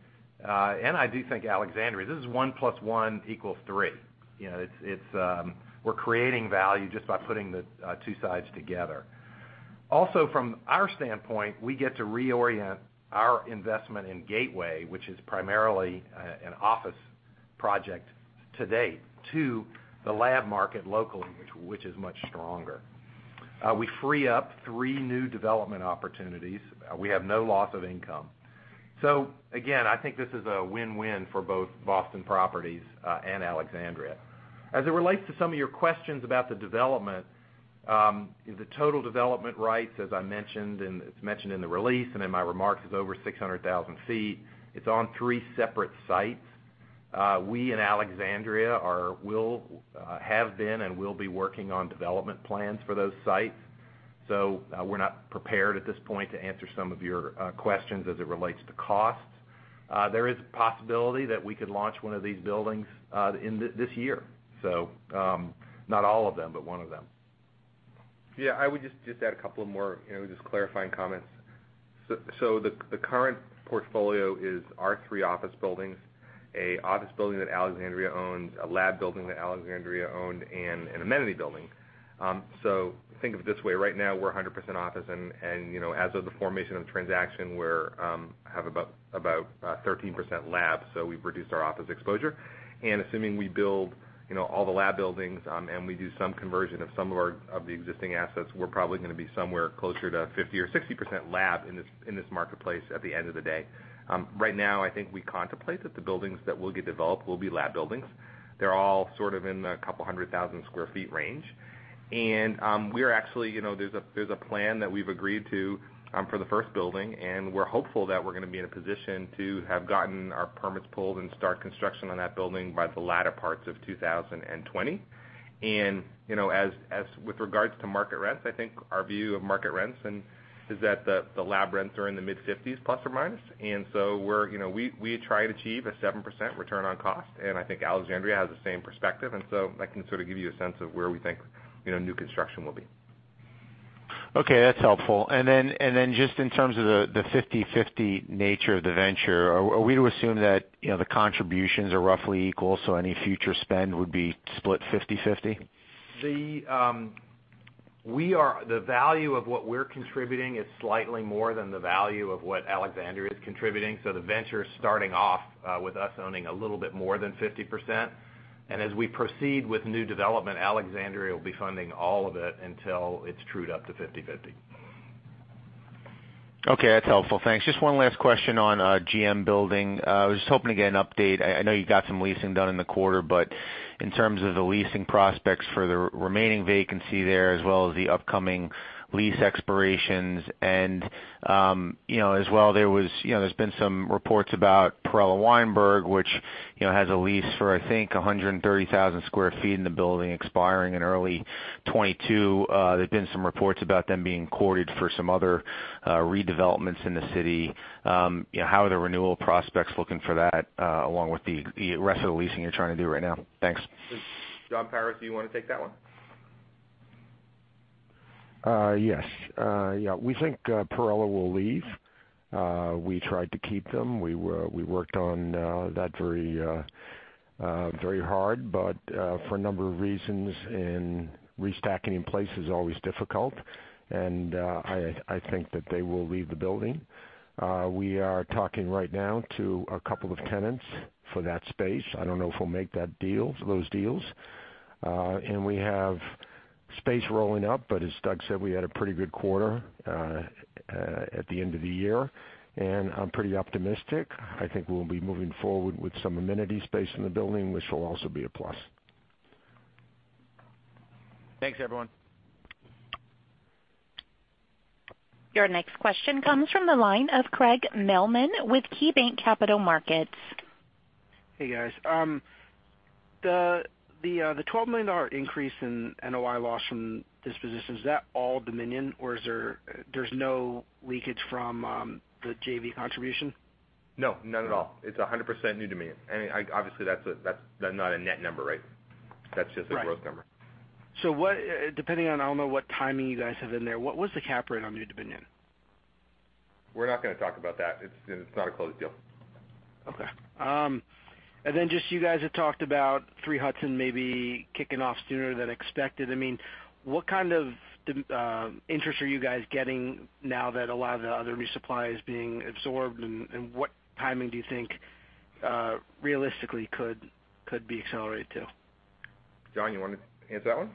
and I do think Alexandria, this is one plus one equals three. We're creating value just by putting the two sides together. Also, from our standpoint, we get to reorient our investment in Gateway, which is primarily an office project to date, to the lab market locally, which is much stronger. We free up three new development opportunities. We have no loss of income. Again, I think this is a win-win for both Boston Properties and Alexandria. As it relates to some of your questions about the development, the total development rights, as I mentioned, and it's mentioned in the release and in my remarks, is over 600,000 ft. It's on three separate sites. We and Alexandria have been and will be working on development plans for those sites. We're not prepared at this point to answer some of your questions as it relates to cost. There is a possibility that we could launch one of these buildings this year, not all of them, but one of them. Yeah, I would just add a couple more just clarifying comments. The current portfolio is our three office buildings, a office building that Alexandria owns, a lab building that Alexandria owned, and an amenity building. Think of it this way, right now we're 100% office, and as of the formation of the transaction, we have about 13% lab, so we've reduced our office exposure. Assuming we build all the lab buildings, and we do some conversion of some of the existing assets, we're probably going to be somewhere closer to 50% or 60% lab in this marketplace at the end of the day. Right now, I think we contemplate that the buildings that will get developed will be lab buildings. They're all sort of in the couple hundred thousand square feet range. There's a plan that we've agreed to for the first building, and we're hopeful that we're going to be in a position to have gotten our permits pulled and start construction on that building by the latter parts of 2020. With regards to market rents, I think our view of market rents and is that the lab rents are in the mid-50s ±. We try to achieve a 7% return on cost, and I think Alexandria has the same perspective, and so that can sort of give you a sense of where we think new construction will be. Okay, that's helpful. Just in terms of the 50/50 nature of the venture, are we to assume that the contributions are roughly equal, so any future spend would be split 50/50? The value of what we're contributing is slightly more than the value of what Alexandria is contributing, so the venture's starting off with us owning a little bit more than 50%. As we proceed with new development, Alexandria will be funding all of it until it's trued up to 50/50. Okay, that's helpful. Thanks. Just one last question on GM Building. I was just hoping to get an update. I know you got some leasing done in the quarter. In terms of the leasing prospects for the remaining vacancy there, as well as the upcoming lease expirations and, as well, there's been some reports about Perella Weinberg, which has a lease for, I think, 130,000 sq ft in the building expiring in early 2022. There's been some reports about them being courted for some other redevelopments in the city. How are the renewal prospects looking for that, along with the rest of the leasing you're trying to do right now? Thanks. John Powers, do you want to take that one? Yes. We think Perella will leave. We tried to keep them. We worked on that very hard, but for a number of reasons, and restacking in place is always difficult, and I think that they will leave the building. We are talking right now to a couple of tenants for that space. I don't know if we'll make those deals. We have space rolling up, but as Doug said, we had a pretty good quarter at the end of the year, and I'm pretty optimistic. I think we'll be moving forward with some amenity space in the building, which will also be a plus. Thanks, everyone. Your next question comes from the line of Craig Mailman with KeyBanc Capital Markets. Hey, guys. The $12 million increase in NOI loss from disposition, is that all Dominion, or there's no leakage from the JV contribution? No, none at all. It's 100% New Dominion. Obviously that's not a net number, right? Right. That's just a gross number. Depending on, I don't know what timing you guys have in there, what was the cap rate on New Dominion? We're not going to talk about that. It's not a closed deal. Okay. Just you guys had talked about 3 Hudson maybe kicking off sooner than expected. What kind of interest are you guys getting now that a lot of the other resupply is being absorbed, and what timing do you think realistically could be accelerated to? John, you want to answer that one?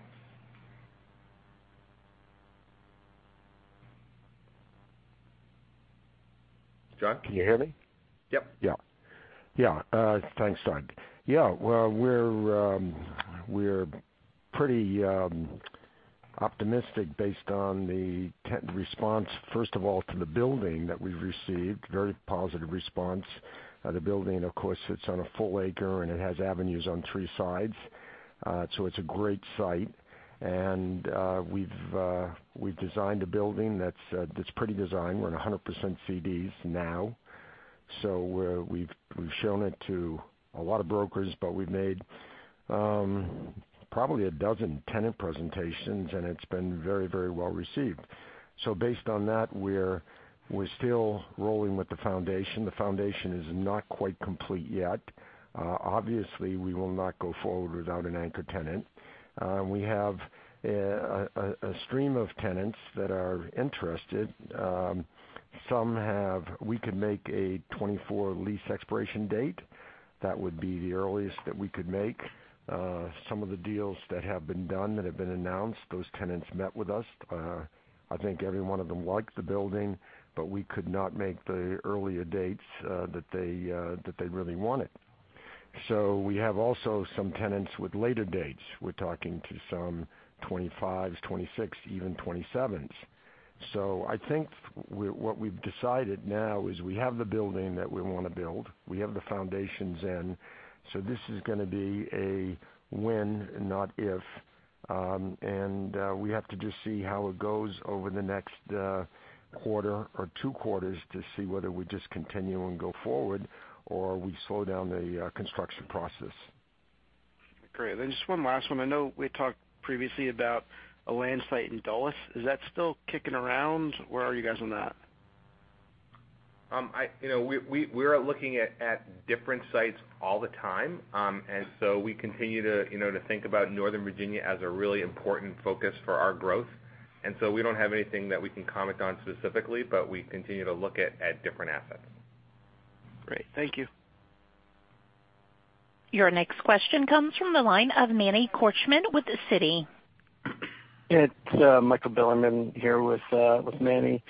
John? Can you hear me? Yep. Yeah. Thanks, Doug. Yeah. Well, we're pretty optimistic based on the tenant response, first of all, to the building that we've received. Very positive response. The building, of course, sits on a full acre, and it has avenues on three sides. It's a great site. We've designed a building that's pretty designed. We're in 100% CDs now. We've shown it to a lot of brokers, but we've made probably a dozen tenant presentations, and it's been very well received. The foundation is not quite complete yet. Obviously, we will not go forward without an anchor tenant. We have a stream of tenants that are interested. We could make a 2024 lease expiration date. That would be the earliest that we could make. Some of the deals that have been done, that have been announced, those tenants met with us. I think every one of them liked the building, but we could not make the earlier dates that they really wanted. We have also some tenants with later dates. We're talking to some 2025s, 2026, even 2027s. I think what we've decided now is we have the building that we want to build. We have the foundations in. This is going to be a when, not if. We have to just see how it goes over the next quarter or two quarters to see whether we just continue and go forward, or we slow down the construction process. Great. Just one last one. I know we talked previously about a land site in Dulles. Is that still kicking around? Where are you guys on that? We are looking at different sites all the time. We continue to think about Northern Virginia as a really important focus for our growth. We don't have anything that we can comment on specifically, but we continue to look at different assets. Great. Thank you. Your next question comes from the line of Manny Korchman with Citi. It's Michael Bilerman here with Manny.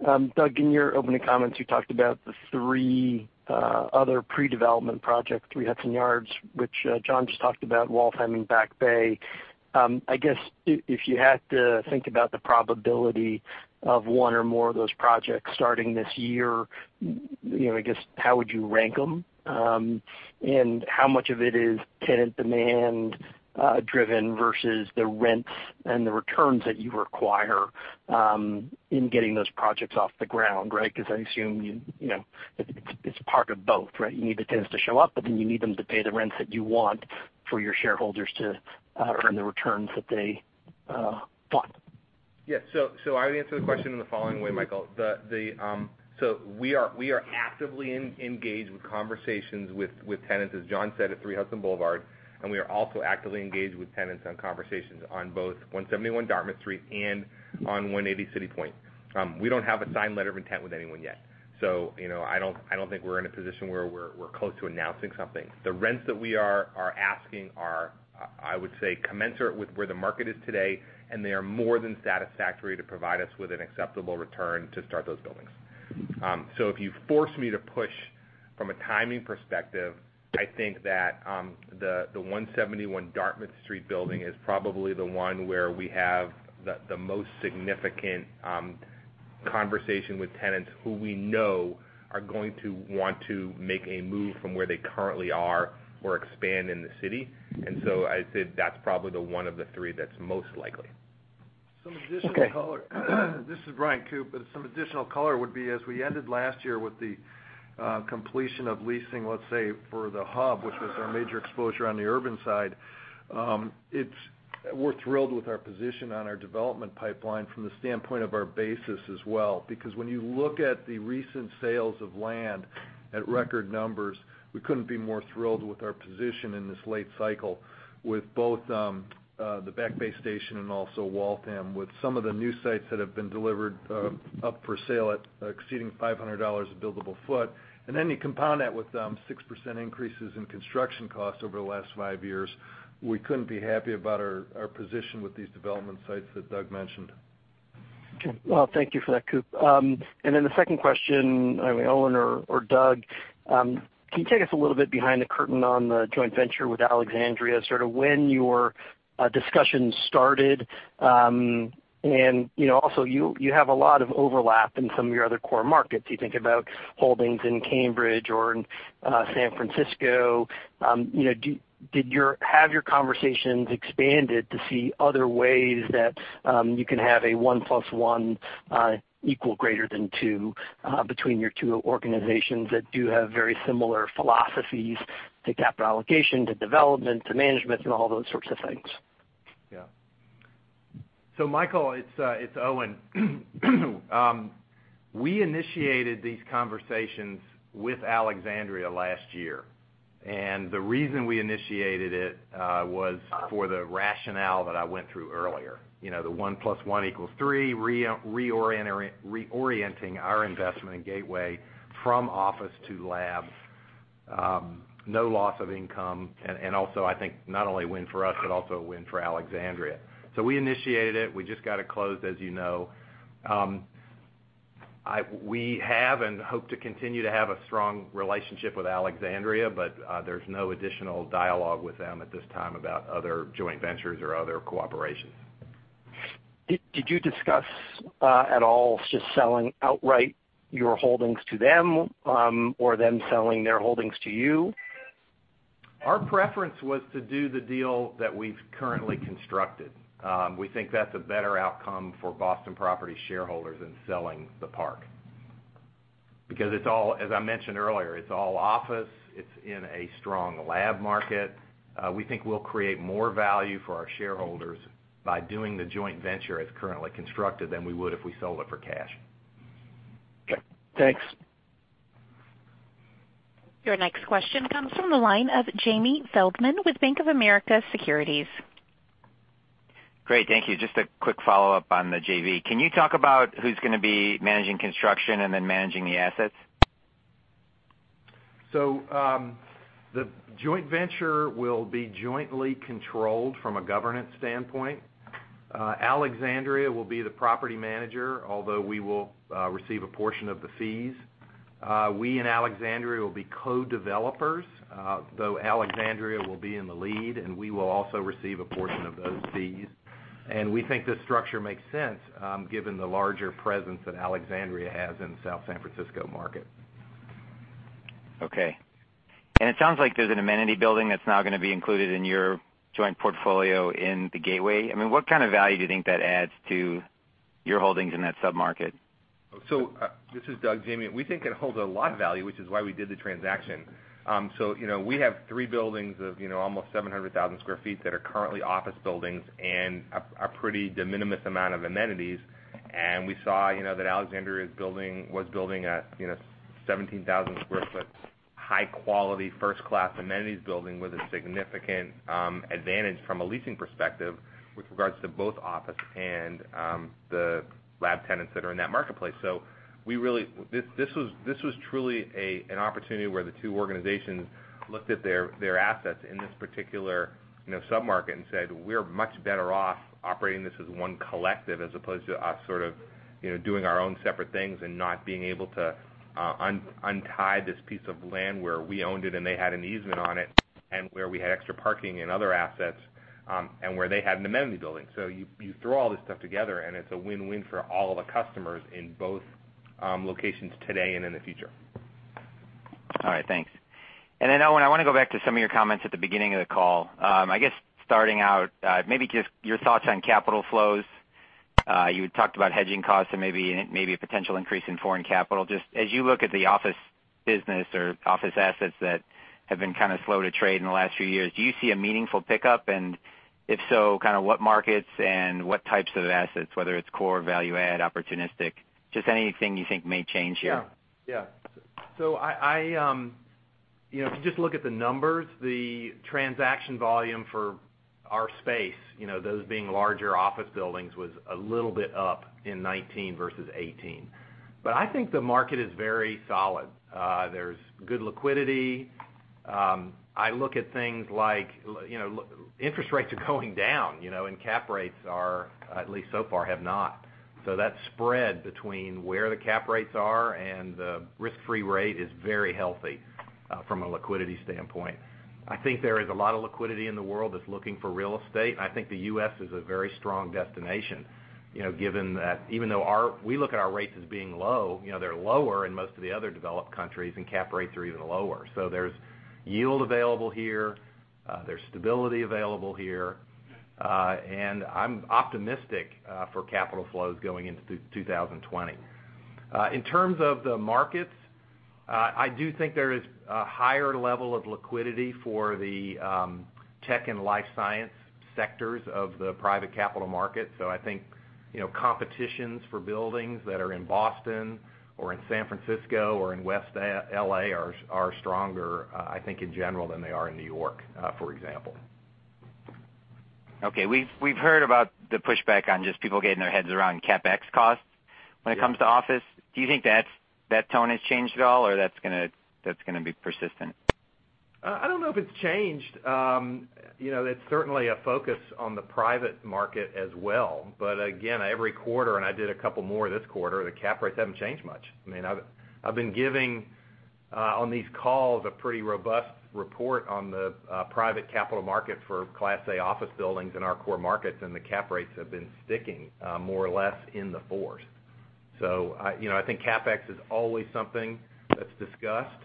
Doug, in your opening comments, you talked about the three other pre-development projects, 3 Hudson Yards, which John just talked about, Waltham and Back Bay. I guess, if you had to think about the probability of one or more of those projects starting this year, I guess, how would you rank them? How much of it is tenant-demand driven versus the rents and the returns that you require in getting those projects off the ground, right? I assume it's part of both, right? You need the tenants to show up, but then you need them to pay the rents that you want for your shareholders to earn the returns that they bought. I would answer the question in the following way, Michael. We are actively engaged with conversations with tenants, as John said, at 3 Hudson Boulevard, and we are also actively engaged with tenants on conversations on both 171 Dartmouth Street and on 180 City Point. We don't have a signed letter of intent with anyone yet. I don't think we're in a position where we're close to announcing something. The rents that we are asking are, I would say, commensurate with where the market is today, and they are more than satisfactory to provide us with an acceptable return to start those buildings. If you force me to push from a timing perspective, I think that the 171 Dartmouth Street building is probably the one where we have the most significant conversation with tenants who we know are going to want to make a move from where they currently are or expand in the city. I'd say that's probably the one of the three that's most likely. Okay. This is Bryan Koop. Some additional color would be as we ended last year with the completion of leasing, let's say, for The Hub, which was our major exposure on the urban side. We're thrilled with our position on our development pipeline from the standpoint of our basis as well, because when you look at the recent sales of land at record numbers, we couldn't be more thrilled with our position in this late cycle with both the Back Bay Station and also Waltham, with some of the new sites that have been delivered up for sale at exceeding $500 a buildable foot. You compound that with 6% increases in construction costs over the last five years. We couldn't be happier about our position with these development sites that Doug mentioned. Okay. Well, thank you for that, Koop. The second question, Owen or Doug, can you take us a little bit behind the curtain on the joint venture with Alexandria, sort of when your discussion started? Also, you have a lot of overlap in some of your other core markets. You think about holdings in Cambridge or in San Francisco. Have your conversations expanded to see other ways that you can have a one plus one equal greater than two between your two organizations that do have very similar philosophies to capital allocation, to development, to management, and all those sorts of things? Yeah. Michael, it's Owen. We initiated these conversations with Alexandria last year, the reason we initiated it was for the rationale that I went through earlier. The one plus one equals three, reorienting our investment in Gateway from office to lab, no loss of income, and also I think not only a win for us, but also a win for Alexandria. We initiated it. We just got it closed, as you know. We have and hope to continue to have a strong relationship with Alexandria, there's no additional dialogue with them at this time about other joint ventures or other cooperation. Did you discuss at all just selling outright your holdings to them or them selling their holdings to you? Our preference was to do the deal that we've currently constructed. We think that's a better outcome for Boston Properties shareholders than selling the park. It's all, as I mentioned earlier, it's all office. It's in a strong lab market. We think we'll create more value for our shareholders by doing the joint venture as currently constructed, than we would if we sold it for cash. Okay. Thanks. Your next question comes from the line of Jamie Feldman with Bank of America Securities. Great. Thank you. Just a quick follow-up on the JV. Can you talk about who's going to be managing construction and then managing the assets? The joint venture will be jointly controlled from a governance standpoint. Alexandria will be the property manager, although we will receive a portion of the fees. We and Alexandria will be co-developers, though Alexandria will be in the lead, and we will also receive a portion of those fees. We think this structure makes sense, given the larger presence that Alexandria has in the South San Francisco market. Okay. It sounds like there's an amenity building that's now going to be included in your joint portfolio in The Gateway. What kind of value do you think that adds to your holdings in that sub-market? This is Doug, Jamie. We think it holds a lot of value, which is why we did the transaction. We have three buildings of almost 700,000 sq ft that are currently office buildings and a pretty de minimis amount of amenities. We saw that Alexandria was building a 17,000 sq ft, high quality, first-class amenities building with a significant advantage from a leasing perspective, with regards to both office and the lab tenants that are in that marketplace. This was truly an opportunity where the two organizations looked at their assets in this particular sub-market and said, "We're much better off operating this as one collective, as opposed to us sort of doing our own separate things and not being able to untie this piece of land where we owned it, and they had an easement on it, and where we had extra parking and other assets, and where they had an amenity building." You throw all this stuff together, and it's a win-win for all of the customers in both locations today and in the future. All right. Thanks. Owen, I want to go back to some of your comments at the beginning of the call. I guess starting out, maybe just your thoughts on capital flows. You had talked about hedging costs and maybe a potential increase in foreign capital. Just as you look at the office business or office assets that have been kind of slow to trade in the last few years, do you see a meaningful pickup? If so, kind of what markets and what types of assets, whether its core, value add, opportunistic, just anything you think may change here? Yeah. If you just look at the numbers, the transaction volume for our space, those being larger office buildings, was a little bit up in 2019 versus 2018. I think the market is very solid. There's good liquidity. I look at things like, interest rates are going down, and cap rates are, at least so far, have not. That spread between where the cap rates are and the risk-free rate is very healthy from a liquidity standpoint. I think there is a lot of liquidity in the world that's looking for real estate, and I think the U.S. is a very strong destination, given that even though we look at our rates as being low, they're lower in most of the other developed countries, and cap rates are even lower. There's yield available here, there's stability available here. I'm optimistic for capital flows going into 2020. In terms of the markets, I do think there is a higher level of liquidity for the tech and life science sectors of the private capital market. I think competitions for buildings that are in Boston or in San Francisco or in West L.A. are stronger, I think, in general, than they are in New York, for example. Okay. We've heard about the pushback on just people getting their heads around CapEx costs when it comes to office. Yeah. Do you think that tone has changed at all, or that's going to be persistent? I don't know if it's changed. It's certainly a focus on the private market as well. Again, every quarter, and I did a couple more this quarter, the cap rates haven't changed much. I've been giving, on these calls, a pretty robust report on the private capital market for Class A office buildings in our core markets, and the cap rates have been sticking more or less in the fours. I think CapEx is always something that's discussed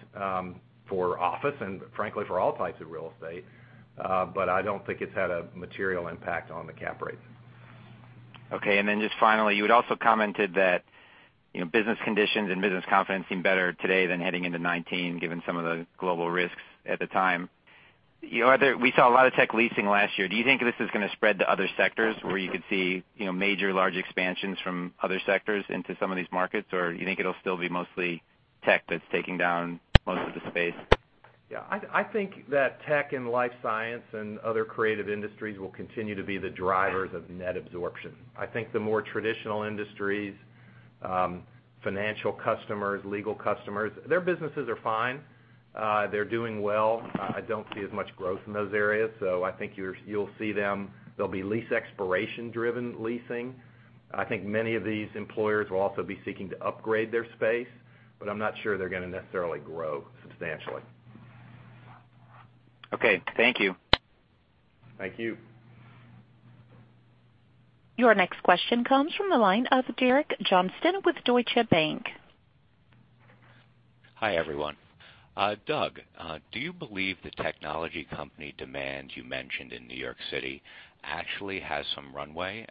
for office and frankly, for all types of real estate. I don't think it's had a material impact on the cap rates. Just finally, you had also commented that business conditions and business confidence seem better today than heading into 2019, given some of the global risks at the time. We saw a lot of tech leasing last year. Do you think this is going to spread to other sectors where you could see major large expansions from other sectors into some of these markets? You think it'll still be mostly tech that's taking down most of the space? I think that tech and life science and other creative industries will continue to be the drivers of net absorption. I think the more traditional industries, financial customers, legal customers, their businesses are fine. They're doing well. I don't see as much growth in those areas. I think you'll see them, they'll be lease expiration driven leasing. I think many of these employers will also be seeking to upgrade their space, but I'm not sure they're going to necessarily grow substantially. Okay. Thank you. Thank you. Your next question comes from the line of Derek Johnston with Deutsche Bank. Hi, everyone. Doug, do you believe the technology company demand you mentioned in New York City actually has some runway?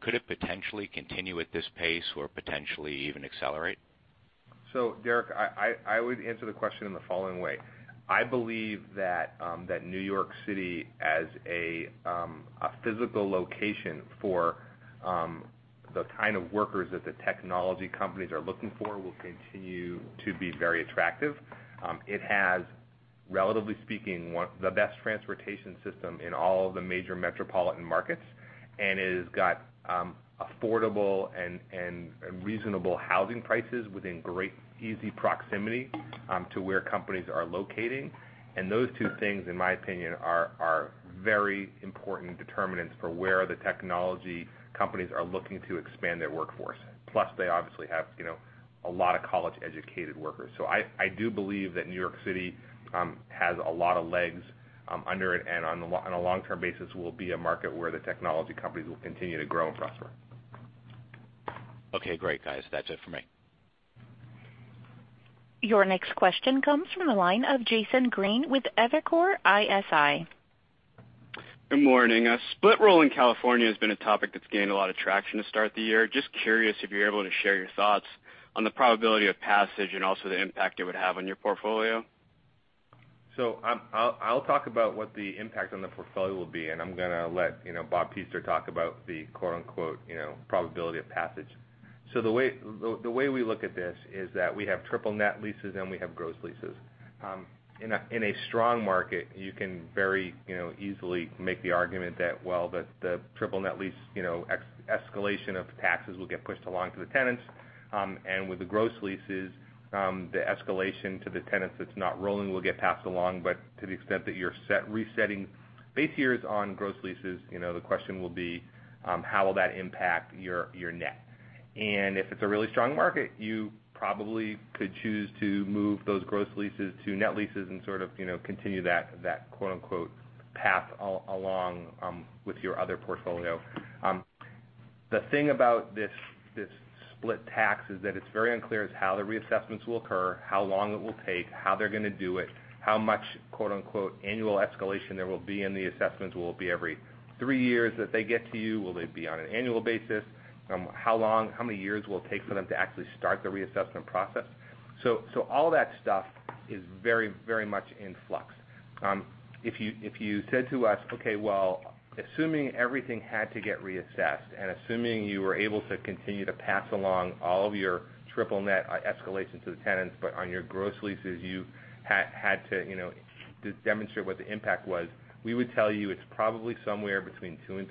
Could it potentially continue at this pace or potentially even accelerate? Derek, I would answer the question in the following way. I believe that New York City as a physical location for the kind of workers that the technology companies are looking for, will continue to be very attractive. It has, relatively speaking, the best transportation system in all of the major metropolitan markets, and it has got affordable and reasonable housing prices within great, easy proximity to where companies are locating. Those two things, in my opinion, are very important determinants for where the technology companies are looking to expand their workforce. Plus, they obviously have a lot of college-educated workers. I do believe that New York City has a lot of legs under it, and on a long-term basis, will be a market where the technology companies will continue to grow and prosper. Okay. Great, guys. That's it for me. Your next question comes from the line of Jason Green with Evercore ISI. Good morning. Split Roll in California has been a topic that's gained a lot of traction to start the year. Just curious if you're able to share your thoughts on the probability of passage and also the impact it would have on your portfolio? I'll talk about what the impact on the portfolio will be, and I'm going to let Bob Pester talk about the "probability of passage." The way we look at this is that we have triple net leases and we have gross leases. In a strong market, you can very easily make the argument that, well, the triple net lease escalation of taxes will get pushed along to the tenants. With the gross leases, the escalation to the tenants that's not rolling will get passed along. To the extent that you're resetting base years on gross leases, the question will be, how will that impact your net? If it's a really strong market, you probably could choose to move those gross leases to net leases and sort of continue that "path" along with your other portfolio. The thing about this split tax is that it's very unclear how the reassessments will occur, how long it will take, how they're going to do it, how much "annual escalation" there will be in the assessments. Will it be every three years that they get to you? Will they be on an annual basis? How many years will it take for them to actually start the reassessment process? All that stuff is very much in flux. If you said to us, okay, well, assuming everything had to get reassessed, and assuming you were able to continue to pass along all of your triple net escalation to the tenants, but on your gross leases, you had to demonstrate what the impact was. We would tell you it's probably somewhere between $0.02 and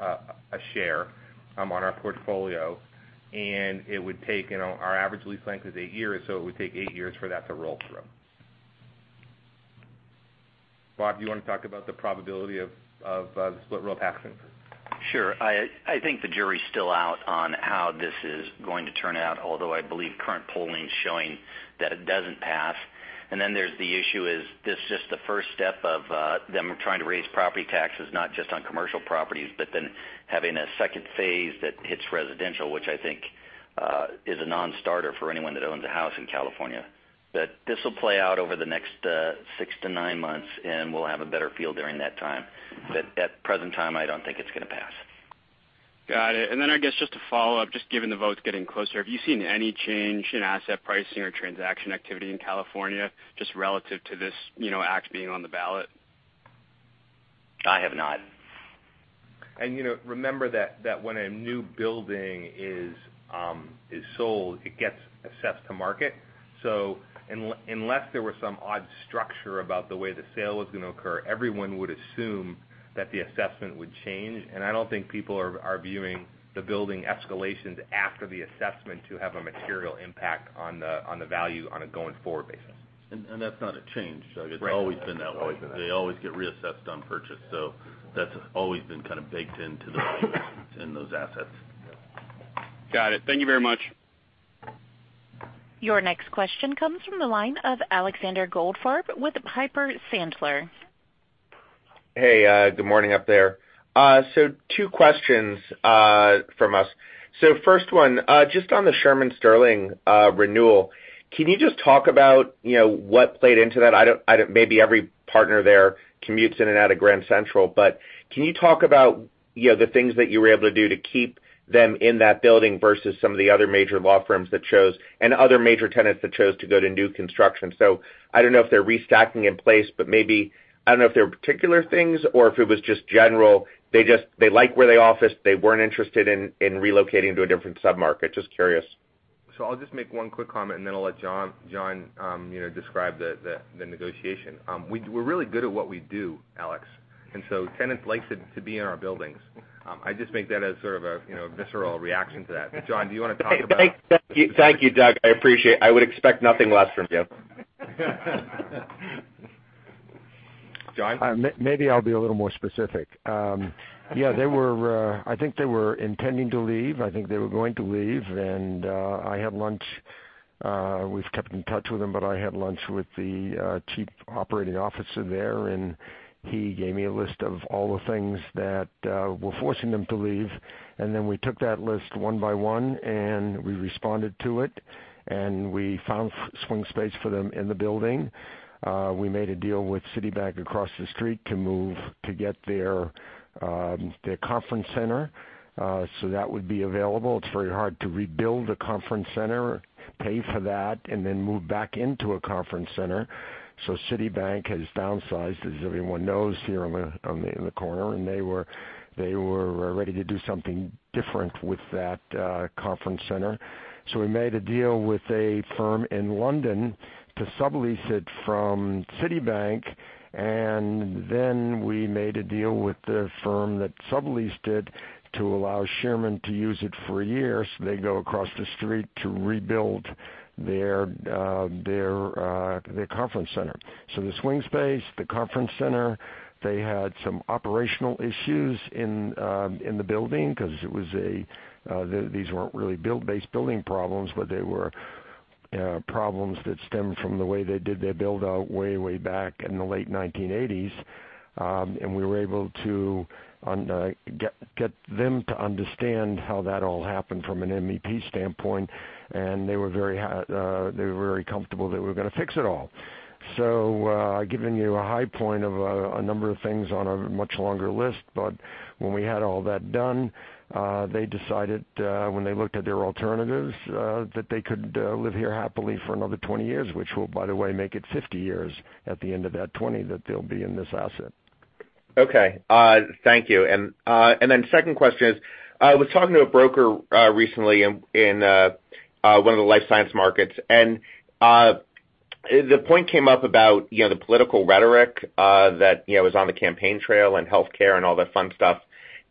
$0.03 a share on our portfolio. Our average lease length is eight years, so it would take eight years for that to roll through. Bob, do you want to talk about the probability of Split Roll passing? Sure. I think the jury's still out on how this is going to turn out, although I believe current polling's showing that it doesn't pass. There's the issue, is this just the first step of them trying to raise property taxes, not just on commercial properties, but then having a second phase that hits residential, which I think is a non-starter for anyone that owns a house in California. This'll play out over the next six to nine months, and we'll have a better feel during that time. At present time, I don't think it's going to pass. Got it. I guess just to follow up, just given the votes getting closer, have you seen any change in asset pricing or transaction activity in California, just relative to this act being on the ballot? I have not. Remember that when a new building is sold, it gets assessed to market. Unless there was some odd structure about the way the sale was going to occur, everyone would assume that the assessment would change. I don't think people are viewing the building escalations after the assessment to have a material impact on the value on a going-forward basis. That's not a change, Doug. Right. It's always been that way. Always been that way. They always get reassessed on purchase. That's always been kind of baked into those assets. Got it. Thank you very much. Your next question comes from the line of Alexander Goldfarb with Piper Sandler. Hey, good morning up there. Two questions from us. First one, just on the Shearman & Sterling renewal. Can you just talk about what played into that? Maybe every partner there commutes in and out of Grand Central, but can you talk about the things that you were able to do to keep them in that building versus some of the other major law firms that chose, and other major tenants that chose to go to new construction. I don't know if they're restacking in place. I don't know if there were particular things or if it was just general, they like where they officed, they weren't interested in relocating to a different sub-market. Just curious. I'll just make one quick comment and then I'll let John describe the negotiation. We're really good at what we do, Alex. Tenants like to be in our buildings. I just make that as sort of a visceral reaction to that. John, do you want to talk about- Thank you, Doug. I appreciate it. I would expect nothing less from you. John? Maybe I'll be a little more specific. Yeah. I think they were intending to leave. I think they were going to leave. I had lunch We've kept in touch with them. I had lunch with the chief operating officer there. He gave me a list of all the things that were forcing them to leave. We took that list one by one. We responded to it. We found swing space for them in the building. We made a deal with Citibank across the street to get their conference center. That would be available. It's very hard to rebuild a conference center, pay for that. Move back into a conference center. Citibank has downsized, as everyone knows, here in the corner. They were ready to do something different with that conference center. We made a deal with a firm in London to sublease it from Citibank, and then we made a deal with the firm that subleased it to allow Shearman to use it for a year, so they go across the street to rebuild their conference center. The swing space, the conference center, they had some operational issues in the building because these weren't really base building problems, but they were problems that stemmed from the way they did their build-out way back in the late 1980s. We were able to get them to understand how that all happened from an MEP standpoint, and they were very comfortable that we were going to fix it all. Giving you a high point of a number of things on a much longer list, but when we had all that done, they decided when they looked at their alternatives, that they could live here happily for another 20 years, which will by the way, make it 50 years at the end of that 20 that they'll be in this asset. Okay. Thank you. Second question is, I was talking to a broker recently in one of the life science markets, the point came up about the political rhetoric that was on the campaign trail and healthcare and all that fun stuff.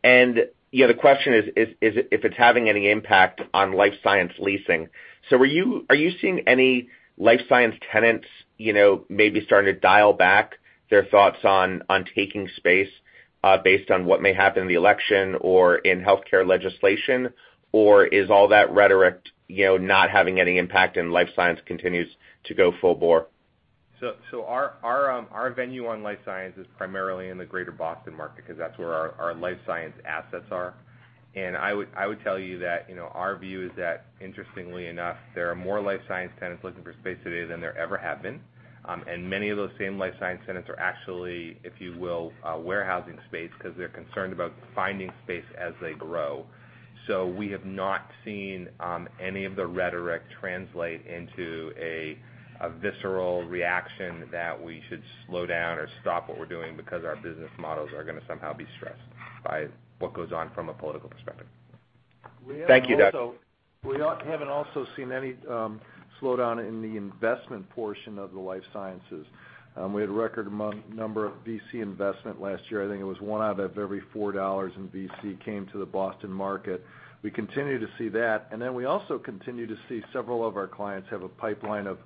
The question is if it's having any impact on life science leasing. Are you seeing any life science tenants maybe starting to dial back their thoughts on taking space based on what may happen in the election or in healthcare legislation? Is all that rhetoric not having any impact and life science continues to go full bore? Our venue on life science is primarily in the Greater Boston market, because that's where our life science assets are. I would tell you that our view is that interestingly enough, there are more life science tenants looking for space today than there ever have been. Many of those same life science tenants are actually, if you will, warehousing space because they're concerned about finding space as they grow. We have not seen any of the rhetoric translate into a visceral reaction that we should slow down or stop what we're doing because our business models are going to somehow be stressed by what goes on from a political perspective. Thank you, Doug. We haven't also seen any slowdown in the investment portion of the life sciences. We had a record number of VC investment last year. I think it was one out of every $4 in VC came to the Boston market. We continue to see that. We also continue to see several of our clients have a pipeline of,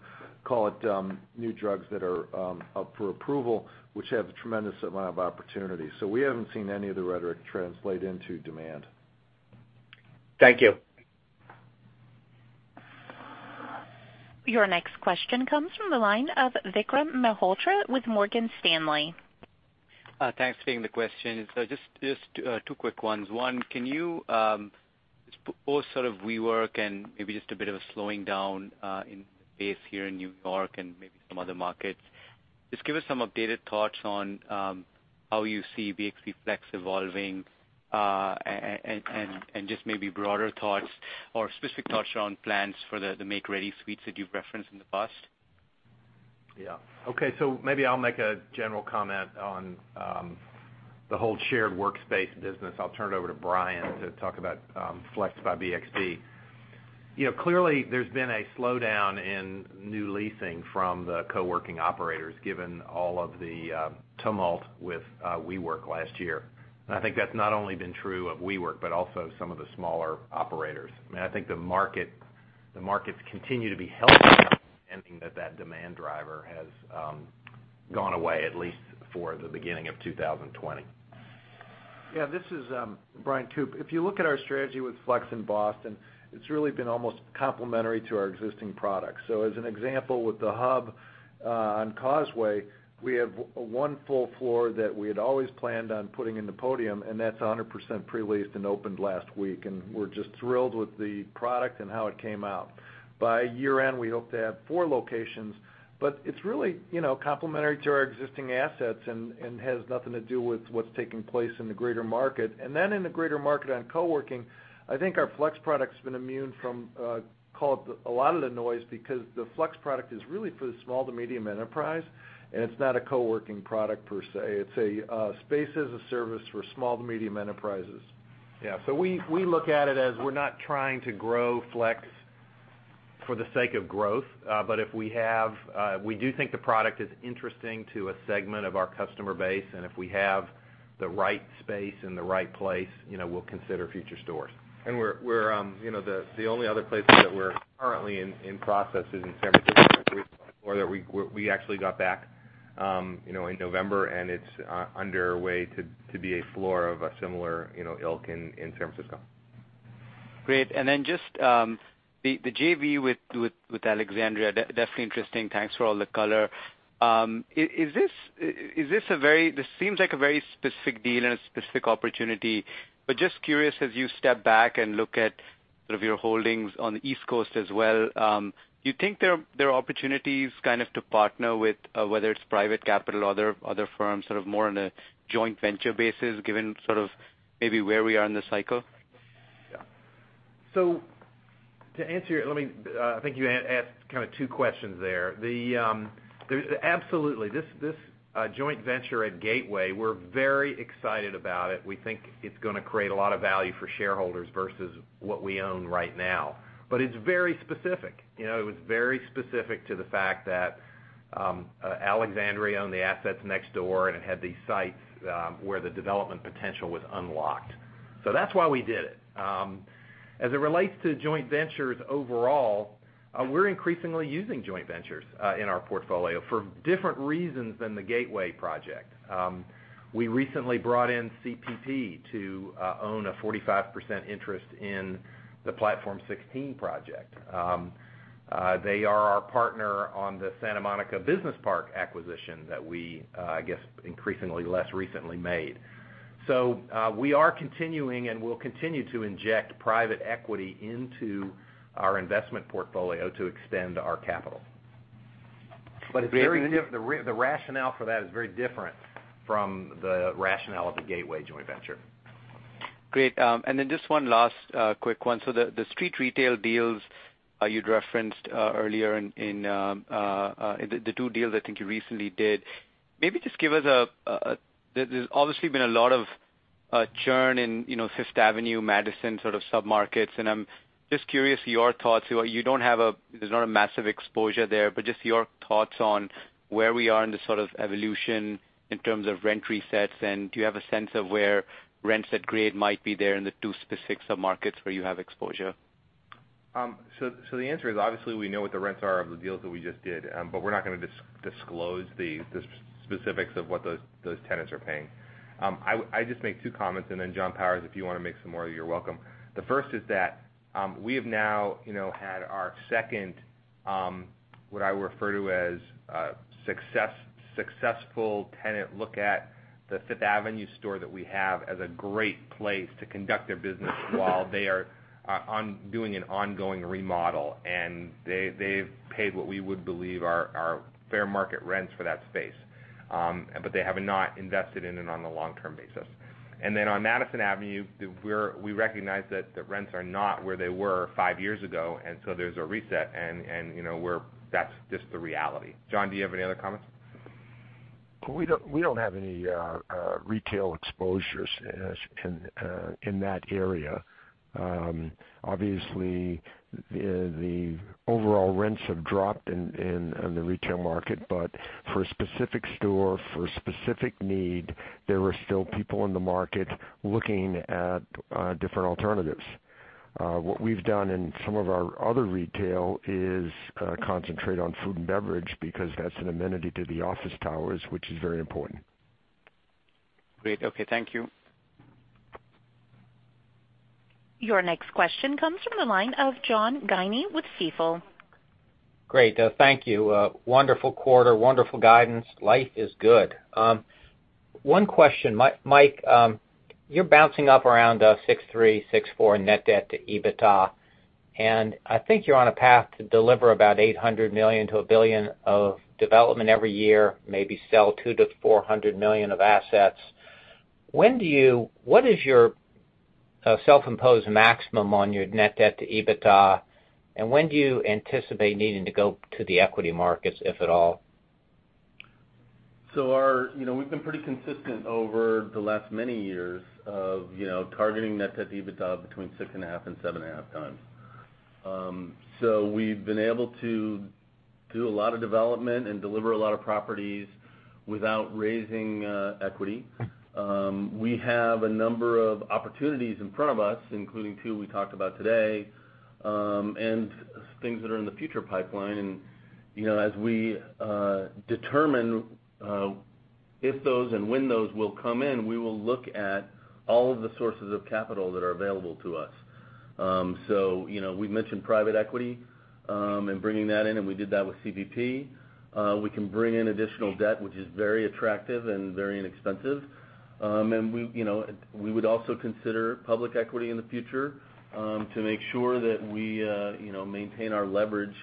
call it, new drugs that are up for approval, which have a tremendous amount of opportunity. We haven't seen any of the rhetoric translate into demand. Thank you. Your next question comes from the line of Vikram Malhotra with Morgan Stanley. Thanks for taking the question. Just two quick ones. One, can you, with sort of WeWork and maybe just a bit of a slowing down in pace here in New York and maybe some other markets, just give us some updated thoughts on how you see BXP Flex evolving, and just maybe broader thoughts or specific thoughts around plans for the make-ready suites that you've referenced in the past? Yeah. Okay, maybe I'll make a general comment on the whole shared workspace business. I'll turn it over to Bryan to talk about Flex by BXP. Clearly, there's been a slowdown in new leasing from the co-working operators, given all of the tumult with WeWork last year. I think that's not only been true of WeWork, but also some of the smaller operators. I think the markets continue to be healthy, and that demand driver has gone away, at least for the beginning of 2020. This is Bryan Koop. If you look at our strategy with Flex in Boston, it's really been almost complementary to our existing products. As an example, with The Hub on Causeway, we have one full floor that we had always planned on putting into Podium, and that's 100% pre-leased and opened last week. We're just thrilled with the product and how it came out. By year-end, we hope to have four locations, it's really complementary to our existing assets and has nothing to do with what's taking place in the greater market. In the greater market on co-working, I think our Flex product's been immune from, call it, a lot of the noise because the Flex product is really for the small to medium enterprise, and it's not a co-working product per se. It's a space as a service for small to medium enterprises. Yeah. We look at it as we're not trying to grow Flex for the sake of growth. We do think the product is interesting to a segment of our customer base, and if we have the right space in the right place, we'll consider future stores. The only other places that we're currently in process is in San Francisco, where we actually got back. In November, it's underway to be a floor of a similar ilk in San Francisco. Great. Just the JV with Alexandria, definitely interesting. Thanks for all the color. This seems like a very specific deal and a specific opportunity, but just curious, as you step back and look at sort of your holdings on the East Coast as well, do you think there are opportunities kind of to partner with whether it's private capital or other firms, sort of more on a joint venture basis, given sort of maybe where we are in the cycle? Yeah. To answer, I think you asked kind of two questions there. Absolutely. This joint venture at Gateway, we're very excited about it. We think it's going to create a lot of value for shareholders versus what we own right now. It's very specific. It was very specific to the fact that Alexandria owned the assets next door and it had these sites, where the development potential was unlocked. That's why we did it. As it relates to joint ventures overall, we're increasingly using joint ventures in our portfolio for different reasons than the Gateway project. We recently brought in CPPIB to own a 45% interest in the Platform 16 project. They are our partner on the Santa Monica Business Park acquisition that we, I guess, increasingly less recently made. We are continuing, and will continue to inject private equity into our investment portfolio to extend our capital. The rationale for that is very different from the rationale of the Gateway joint venture. Great. Just one last quick one. The street retail deals you'd referenced earlier in the two deals I think you recently did. There's obviously been a lot of churn in Fifth Avenue, Madison sort of sub-markets, and I'm just curious, your thoughts. There's not a massive exposure there, but just your thoughts on where we are in the sort of evolution in terms of rent resets. Do you have a sense of where rents at grade might be there in the two specific sub-markets where you have exposure? The answer is, obviously, we know what the rents are of the deals that we just did. We're not going to disclose the specifics of what those tenants are paying. I just make two comments, and then John Powers, if you want to make some more, you're welcome. The first is that we have now had our second, what I refer to as successful tenant look at the Fifth Avenue store that we have as a great place to conduct their business while they are doing an ongoing remodel. They've paid what we would believe are fair market rents for that space. They have not invested in it on a long-term basis. On Madison Avenue, we recognize that the rents are not where they were five years ago, and so there's a reset, and that's just the reality. John, do you have any other comments? We don't have any retail exposures in that area. Obviously, the overall rents have dropped in the retail market. For a specific store, for a specific need, there are still people in the market looking at different alternatives. What we've done in some of our other retail is concentrate on food and beverage, because that's an amenity to the office towers, which is very important. Great. Okay. Thank you. Your next question comes from the line of John Guinee with Stifel. Great. Thank you. Wonderful quarter. Wonderful guidance. Life is good. One question, Mike. You're bouncing up around 6.3, 6.4 net debt to EBITDA, I think you're on a path to deliver about $800 million-$1 billion of development every year, maybe sell two to $400 million of assets. What is your self-imposed maximum on your net debt to EBITDA, and when do you anticipate needing to go to the equity markets, if at all? We've been pretty consistent over the last many years of targeting net debt to EBITDA between 6.5x and 7.5x. We've been able to do a lot of development and deliver a lot of properties without raising equity. We have a number of opportunities in front of us, including two we talked about today, and things that are in the future pipeline. As we determine if those and when those will come in, we will look at all of the sources of capital that are available to us. We mentioned private equity, and bringing that in, and we did that with CPPIB. We can bring in additional debt, which is very attractive and very inexpensive. We would also consider public equity in the future to make sure that we maintain our leverage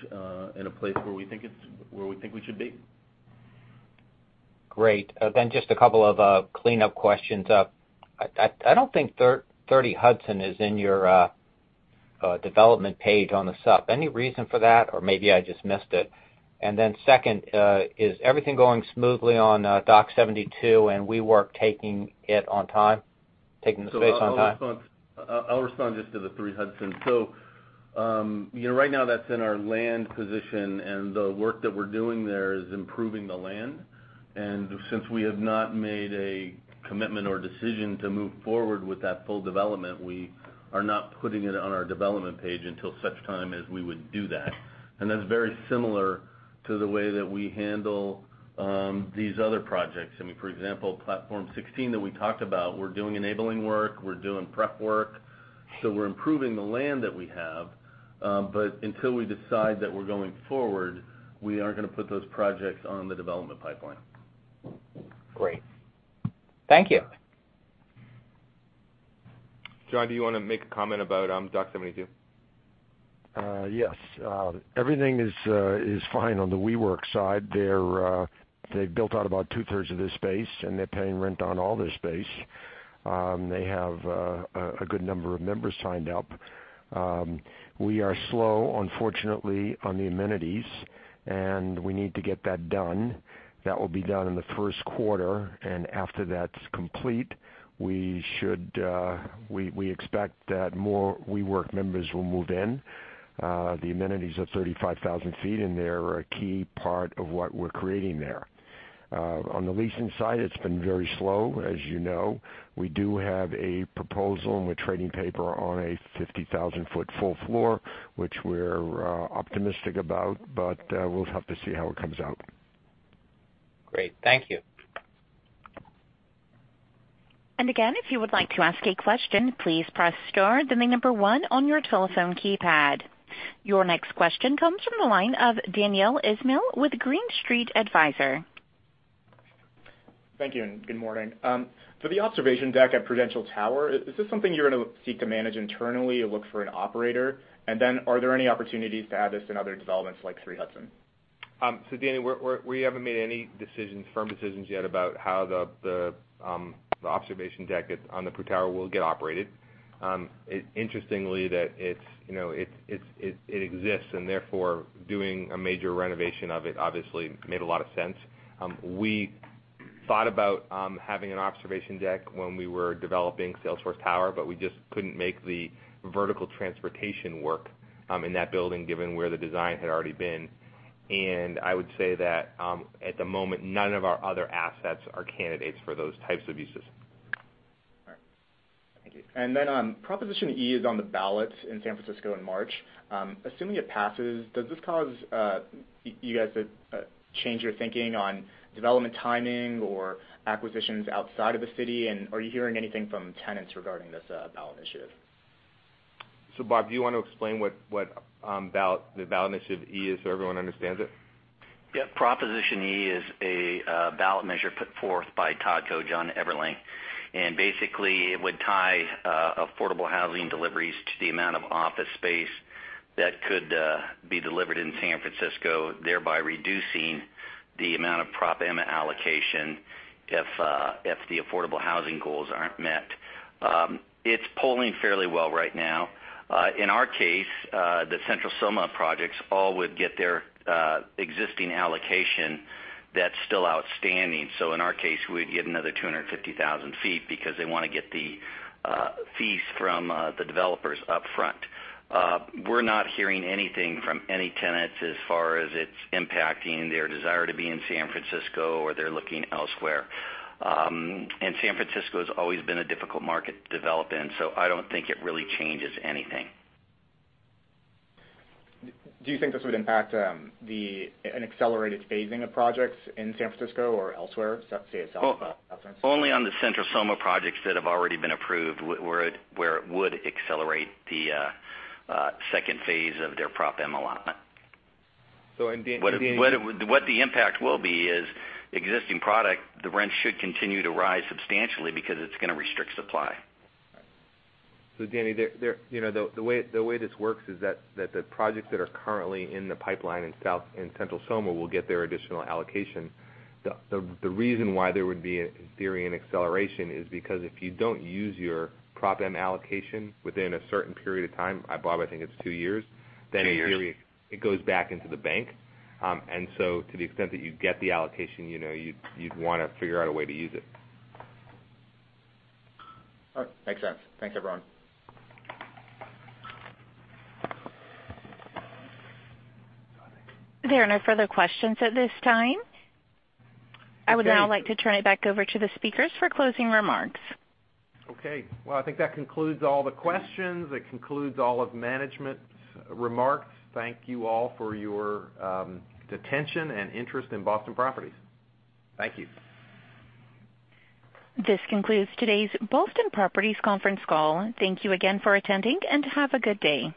in a place where we think we should be. Great. Just a couple of cleanup questions. I don't think 3 Hudson is in your development page on the sup. Any reason for that? Or maybe I just missed it. Second, is everything going smoothly on Dock72, and WeWork taking the space on time? I'll respond just to the 3 Hudson. Right now, that's in our land position, and the work that we're doing there is improving the land. Since we have not made a commitment or decision to move forward with that full development, we are not putting it on our development page until such time as we would do that. That's very similar to the way that we handle these other projects. For example, Platform 16 that we talked about, we're doing enabling work, we're doing prep work. We're improving the land that we have. Until we decide that we're going forward, we aren't going to put those projects on the development pipeline. Great. Thank you. John, do you want to make a comment about Dock72? Yes. Everything is fine on the WeWork side. They've built out about two-thirds of their space, and they're paying rent on all their space. They have a good number of members signed up. We are slow, unfortunately, on the amenities, and we need to get that done. That will be done in the first quarter, and after that's complete, we expect that more WeWork members will move in. The amenities are 35,000 ft, and they're a key part of what we're creating there. On the leasing side, it's been very slow, as you know. We do have a proposal, and we're trading paper on a 50,000-ft full floor, which we're optimistic about, but we'll have to see how it comes out. Great. Thank you. Again, if you would like to ask a question, please press star then the number one on your telephone keypad. Your next question comes from the line of Daniel Ismail with Green Street Advisors. Thank you. Good morning. For the observation deck at Prudential Tower, is this something you're going to seek to manage internally or look for an operator? Are there any opportunities to add this in other developments like 3 Hudson? Danielle, we haven't made any firm decisions yet about how the observation deck on the Pru Tower will get operated. Interestingly, it exists, and therefore, doing a major renovation of it obviously made a lot of sense. We thought about having an observation deck when we were developing Salesforce Tower, but we just couldn't make the vertical transportation work in that building, given where the design had already been. I would say that at the moment, none of our other assets are candidates for those types of uses. All right. Thank you. Proposition E is on the ballot in San Francisco in March. Assuming it passes, does this cause you guys to change your thinking on development timing or acquisitions outside of the city? Are you hearing anything from tenants regarding this ballot initiative? Bob, do you want to explain what the ballot Proposition E is so everyone understands it? Yeah. Proposition E is a ballot measure put forth by [Todd Gloria and Everlink], and basically it would tie affordable housing deliveries to the amount of office space that could be delivered in San Francisco, thereby reducing the amount of Proposition M allocation if the affordable housing goals aren't met. It's polling fairly well right now. In our case, the Central SoMa projects all would get their existing allocation that's still outstanding. In our case, we'd get another 250,000 ft because they want to get the fees from the developers upfront. We're not hearing anything from any tenants as far as it's impacting their desire to be in San Francisco or they're looking elsewhere. San Francisco's always been a difficult market to develop in, so I don't think it really changes anything. Do you think this would impact an accelerated phasing of projects in San Francisco or elsewhere, say in South San Francisco? Only on the Central SoMa projects that have already been approved, where it would accelerate the second phase of their Proposition M allotment. So in the- What the impact will be is existing product, the rent should continue to rise substantially because it's going to restrict supply. Right. Danny, the way this works is that the projects that are currently in the pipeline in Central SoMa will get their additional allocation. The reason why there would be, in theory, an acceleration is because if you don't use your Proposition M allocation within a certain period of time, Bob, I think it's two years. Two years. In theory, it goes back into the bank. To the extent that you get the allocation, you'd want to figure out a way to use it. All right. Makes sense. Thanks, everyone. There are no further questions at this time. Okay. I would now like to turn it back over to the speakers for closing remarks. Okay. Well, I think that concludes all the questions. It concludes all of management's remarks. Thank you all for your attention and interest in Boston Properties. Thank you. This concludes today's Boston Properties conference call. Thank you again for attending, and have a good day.